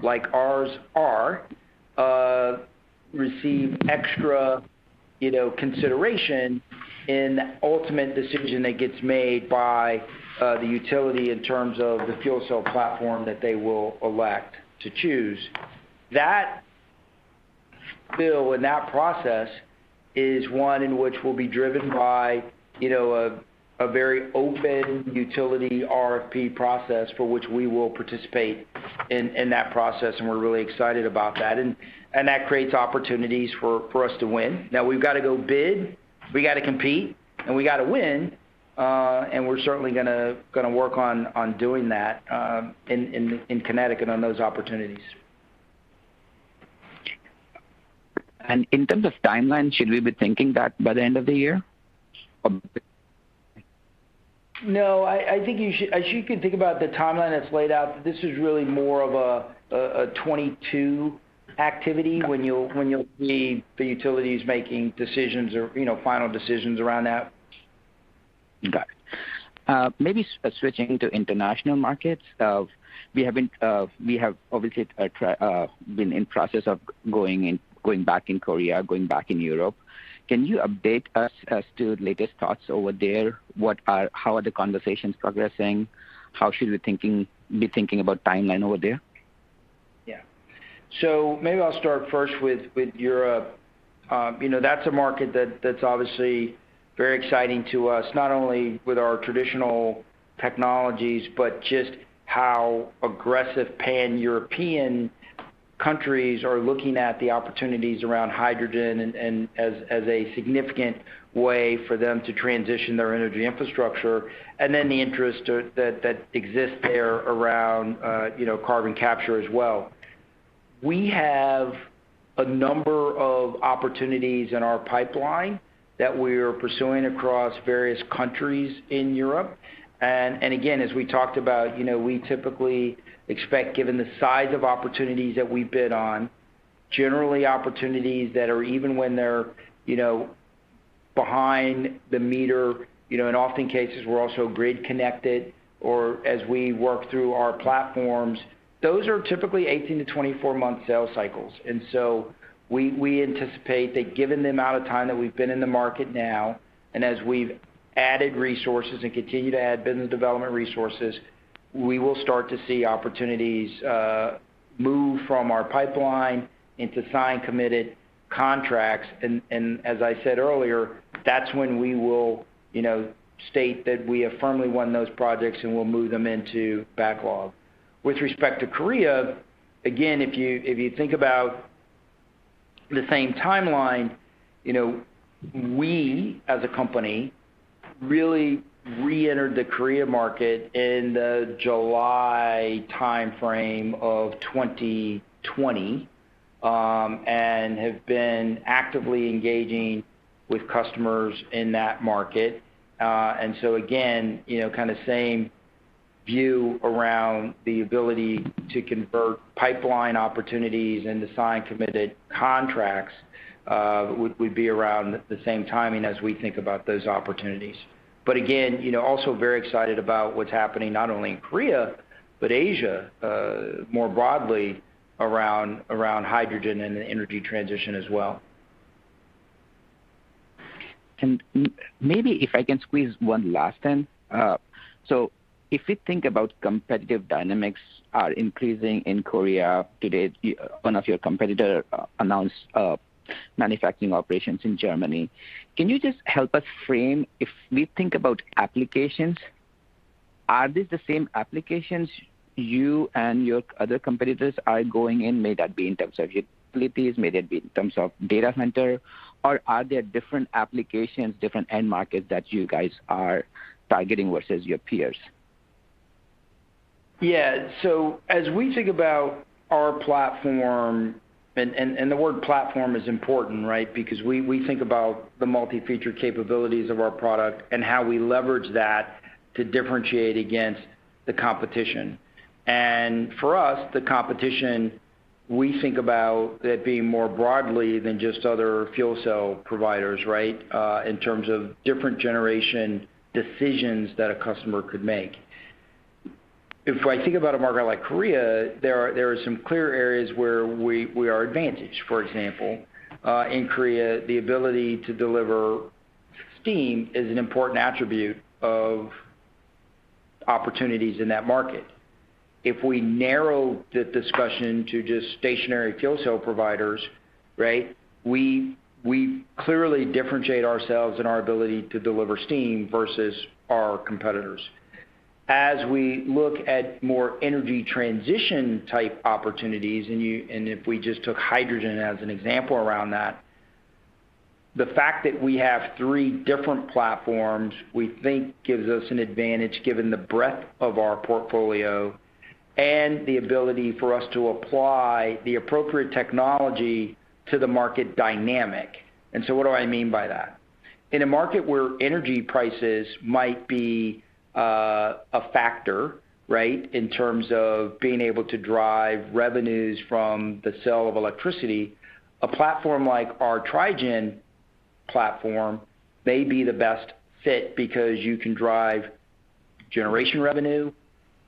like ours are, receive extra consideration in the ultimate decision that gets made by the utility in terms of the fuel cell platform that they will elect to choose. That bill and that process is one in which we'll be driven by a very open utility RFP process for which we will participate in that process, and we're really excited about that, and that creates opportunities for us to win. Now, we've got to go bid. We got to compete, and we got to win, and we're certainly going to work on doing that in Connecticut on those opportunities. In terms of timeline, should we be thinking that by the end of the year or? No, as you can think about the timeline that's laid out, this is really more of a 2022 activity when you'll see the utilities making final decisions around that. Got it. Maybe switching to international markets. We have obviously been in process of going back in Korea, going back in Europe. Can you update us as to latest thoughts over there? How are the conversations progressing? How should we be thinking about timeline over there? Yeah. Maybe I'll start first with Europe. That's a market that's obviously very exciting to us, not only with our traditional technologies, but just how aggressive pan-European countries are looking at the opportunities around hydrogen and as a significant way for them to transition their energy infrastructure, and then the interest that exists there around carbon capture as well. We have a number of opportunities in our pipeline that we are pursuing across various countries in Europe. Again, as we talked about, we typically expect, given the size of opportunities that we bid on, generally opportunities that are, even when they're behind the meter, in often cases, we're also grid connected or as we work through our platforms, those are typically 18-24-month sales cycles. We anticipate that given the amount of time that we've been in the market now, and as we've added resources and continue to add business development resources, we will start to see opportunities move from our pipeline into signed, committed contracts. As I said earlier, that's when we will state that we have firmly won those projects, and we'll move them into backlog. With respect to Korea, again, if you think about the same timeline, we, as a company, really reentered the Korea market in the July timeframe of 2020, and have been actively engaging with customers in that market. Again, kind of same view around the ability to convert pipeline opportunities into signed, committed contracts, would be around the same timing as we think about those opportunities. Again, also very excited about what's happening not only in Korea, but Asia, more broadly around hydrogen and the energy transition as well. Maybe if I can squeeze one last in. If we think about competitive dynamics are increasing in Korea. Today, one of your competitor announced manufacturing operations in Germany. Can you just help us frame, if we think about applications, are these the same applications you and your other competitors are going in? May that be in terms of utilities, may that be in terms of data center, or are there different applications, different end markets that you guys are targeting versus your peers? As we think about our platform, and the word platform is important. Because we think about the multi-feature capabilities of our product and how we leverage that to differentiate against the competition. For us, the competition, we think about that being more broadly than just other fuel cell providers. In terms of different generation decisions that a customer could make. If I think about a market like Korea, there are some clear areas where we are advantaged. For example, in Korea, the ability to deliver steam is an important attribute of opportunities in that market. If we narrow the discussion to just stationary fuel cell providers, we clearly differentiate ourselves in our ability to deliver steam versus our competitors. As we look at more energy transition-type opportunities, and if we just took hydrogen as an example around that, the fact that we have three different platforms we think gives us an advantage given the breadth of our portfolio and the ability for us to apply the appropriate technology to the market dynamic. What do I mean by that? In a market where energy prices might be a factor, right? In terms of being able to drive revenues from the sale of electricity, a platform like our Tri-gen platform may be the best fit because you can drive Generation revenue,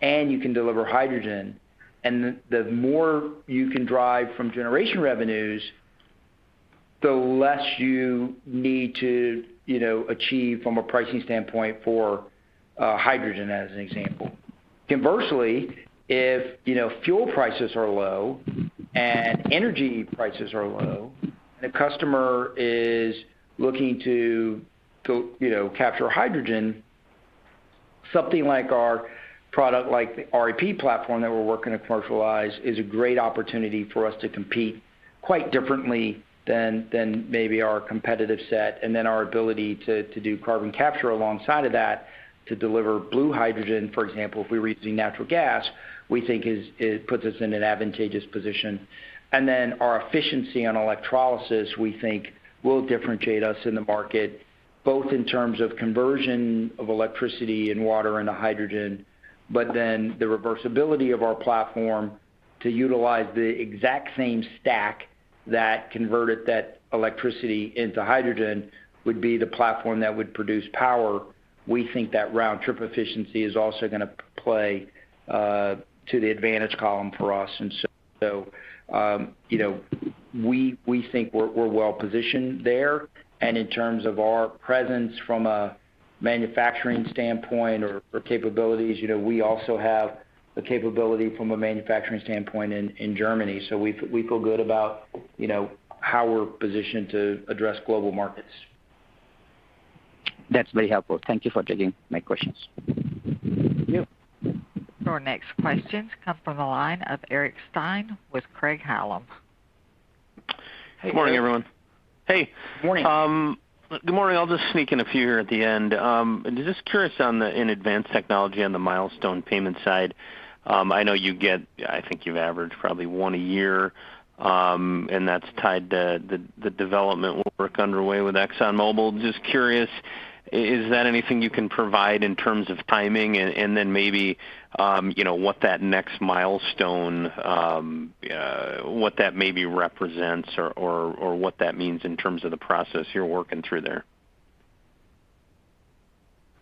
and you can deliver hydrogen. The more you can drive from Generation revenues, the less you need to achieve from a pricing standpoint for hydrogen, as an example. Conversely, if fuel prices are low and energy prices are low, and a customer is looking to capture hydrogen. Something like our product, like the Reformer-Electrolyzer-Purifier platform that we're working to commercialize, is a great opportunity for us to compete quite differently than maybe our competitive set. Our ability to do carbon capture alongside of that to deliver blue hydrogen, for example, if we were using natural gas, we think it puts us in an advantageous position. Our efficiency on electrolysis, we think, will differentiate us in the market, both in terms of conversion of electricity and water into hydrogen, but then the reversibility of our platform to utilize the exact same stack that converted that electricity into hydrogen would be the platform that would produce power. We think that round trip efficiency is also going to play to the advantage column for us. We think we're well-positioned there. In terms of our presence from a manufacturing standpoint or capabilities, we also have the capability from a manufacturing standpoint in Germany. We feel good about how we're positioned to address global markets. That's very helpful. Thank you for taking my questions. Thank you. Your next questions come from the line of Eric Stine with Craig-Hallum. Hey. Good morning, everyone. Hey. Morning. Good morning. I'll just sneak in a few here at the end. Just curious on the advanced technology on the milestone payment side. I know you get, I think you've averaged probably one a year, and that's tied to the development work underway with ExxonMobil. Just curious, is that anything you can provide in terms of timing? Maybe what that next milestone, what that maybe represents or what that means in terms of the process you're working through there?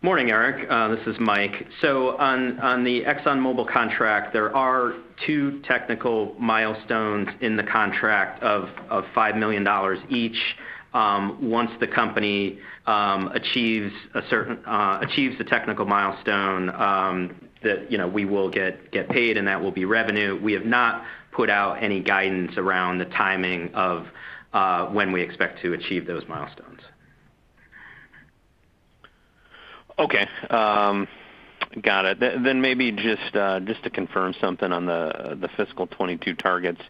Morning, Eric. This is Mike. On the ExxonMobil contract, there are two technical milestones in the contract of $5 million each. Once the company achieves the technical milestone that we will get paid, and that will be revenue. We have not put out any guidance around the timing of when we expect to achieve those milestones. Okay. Got it. Maybe just to confirm something on the fiscal 2022 targets.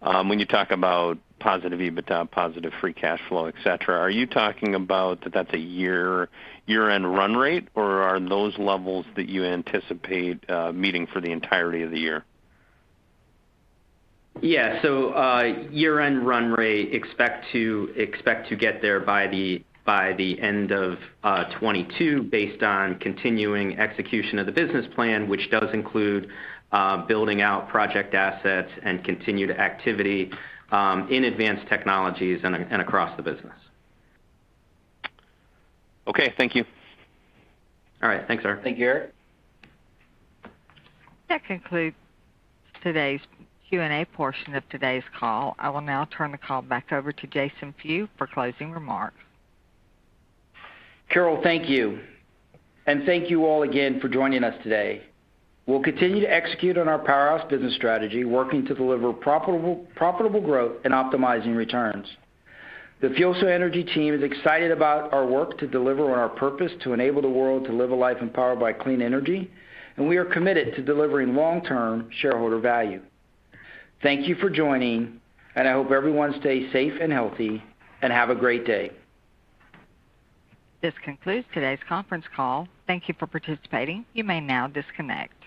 When you talk about positive EBITDA, positive free cash flow, et cetera, are you talking about that that's a year-end run rate, or are those levels that you anticipate meeting for the entirety of the year? Yeah. Year-end run rate, expect to get there by the end of 2022 based on continuing execution of the business plan, which does include building out project assets and continued activity in advanced technologies and across the business. Okay, thank you. All right. Thanks, Eric. Thank you, Eric. That concludes today's Q&A portion of today's call. I will now turn the call back over to Jason Few for closing remarks. Carol, thank you. Thank you all again for joining us today. We'll continue to execute on our Powerhouse business strategy, working to deliver profitable growth and optimizing returns. The FuelCell Energy team is excited about our work to deliver on our purpose to enable the world to live a life empowered by clean energy, and we are committed to delivering long-term shareholder value. Thank you for joining, and I hope everyone stays safe and healthy, and have a great day. This concludes today's conference call. Thank you for participating. You may now disconnect.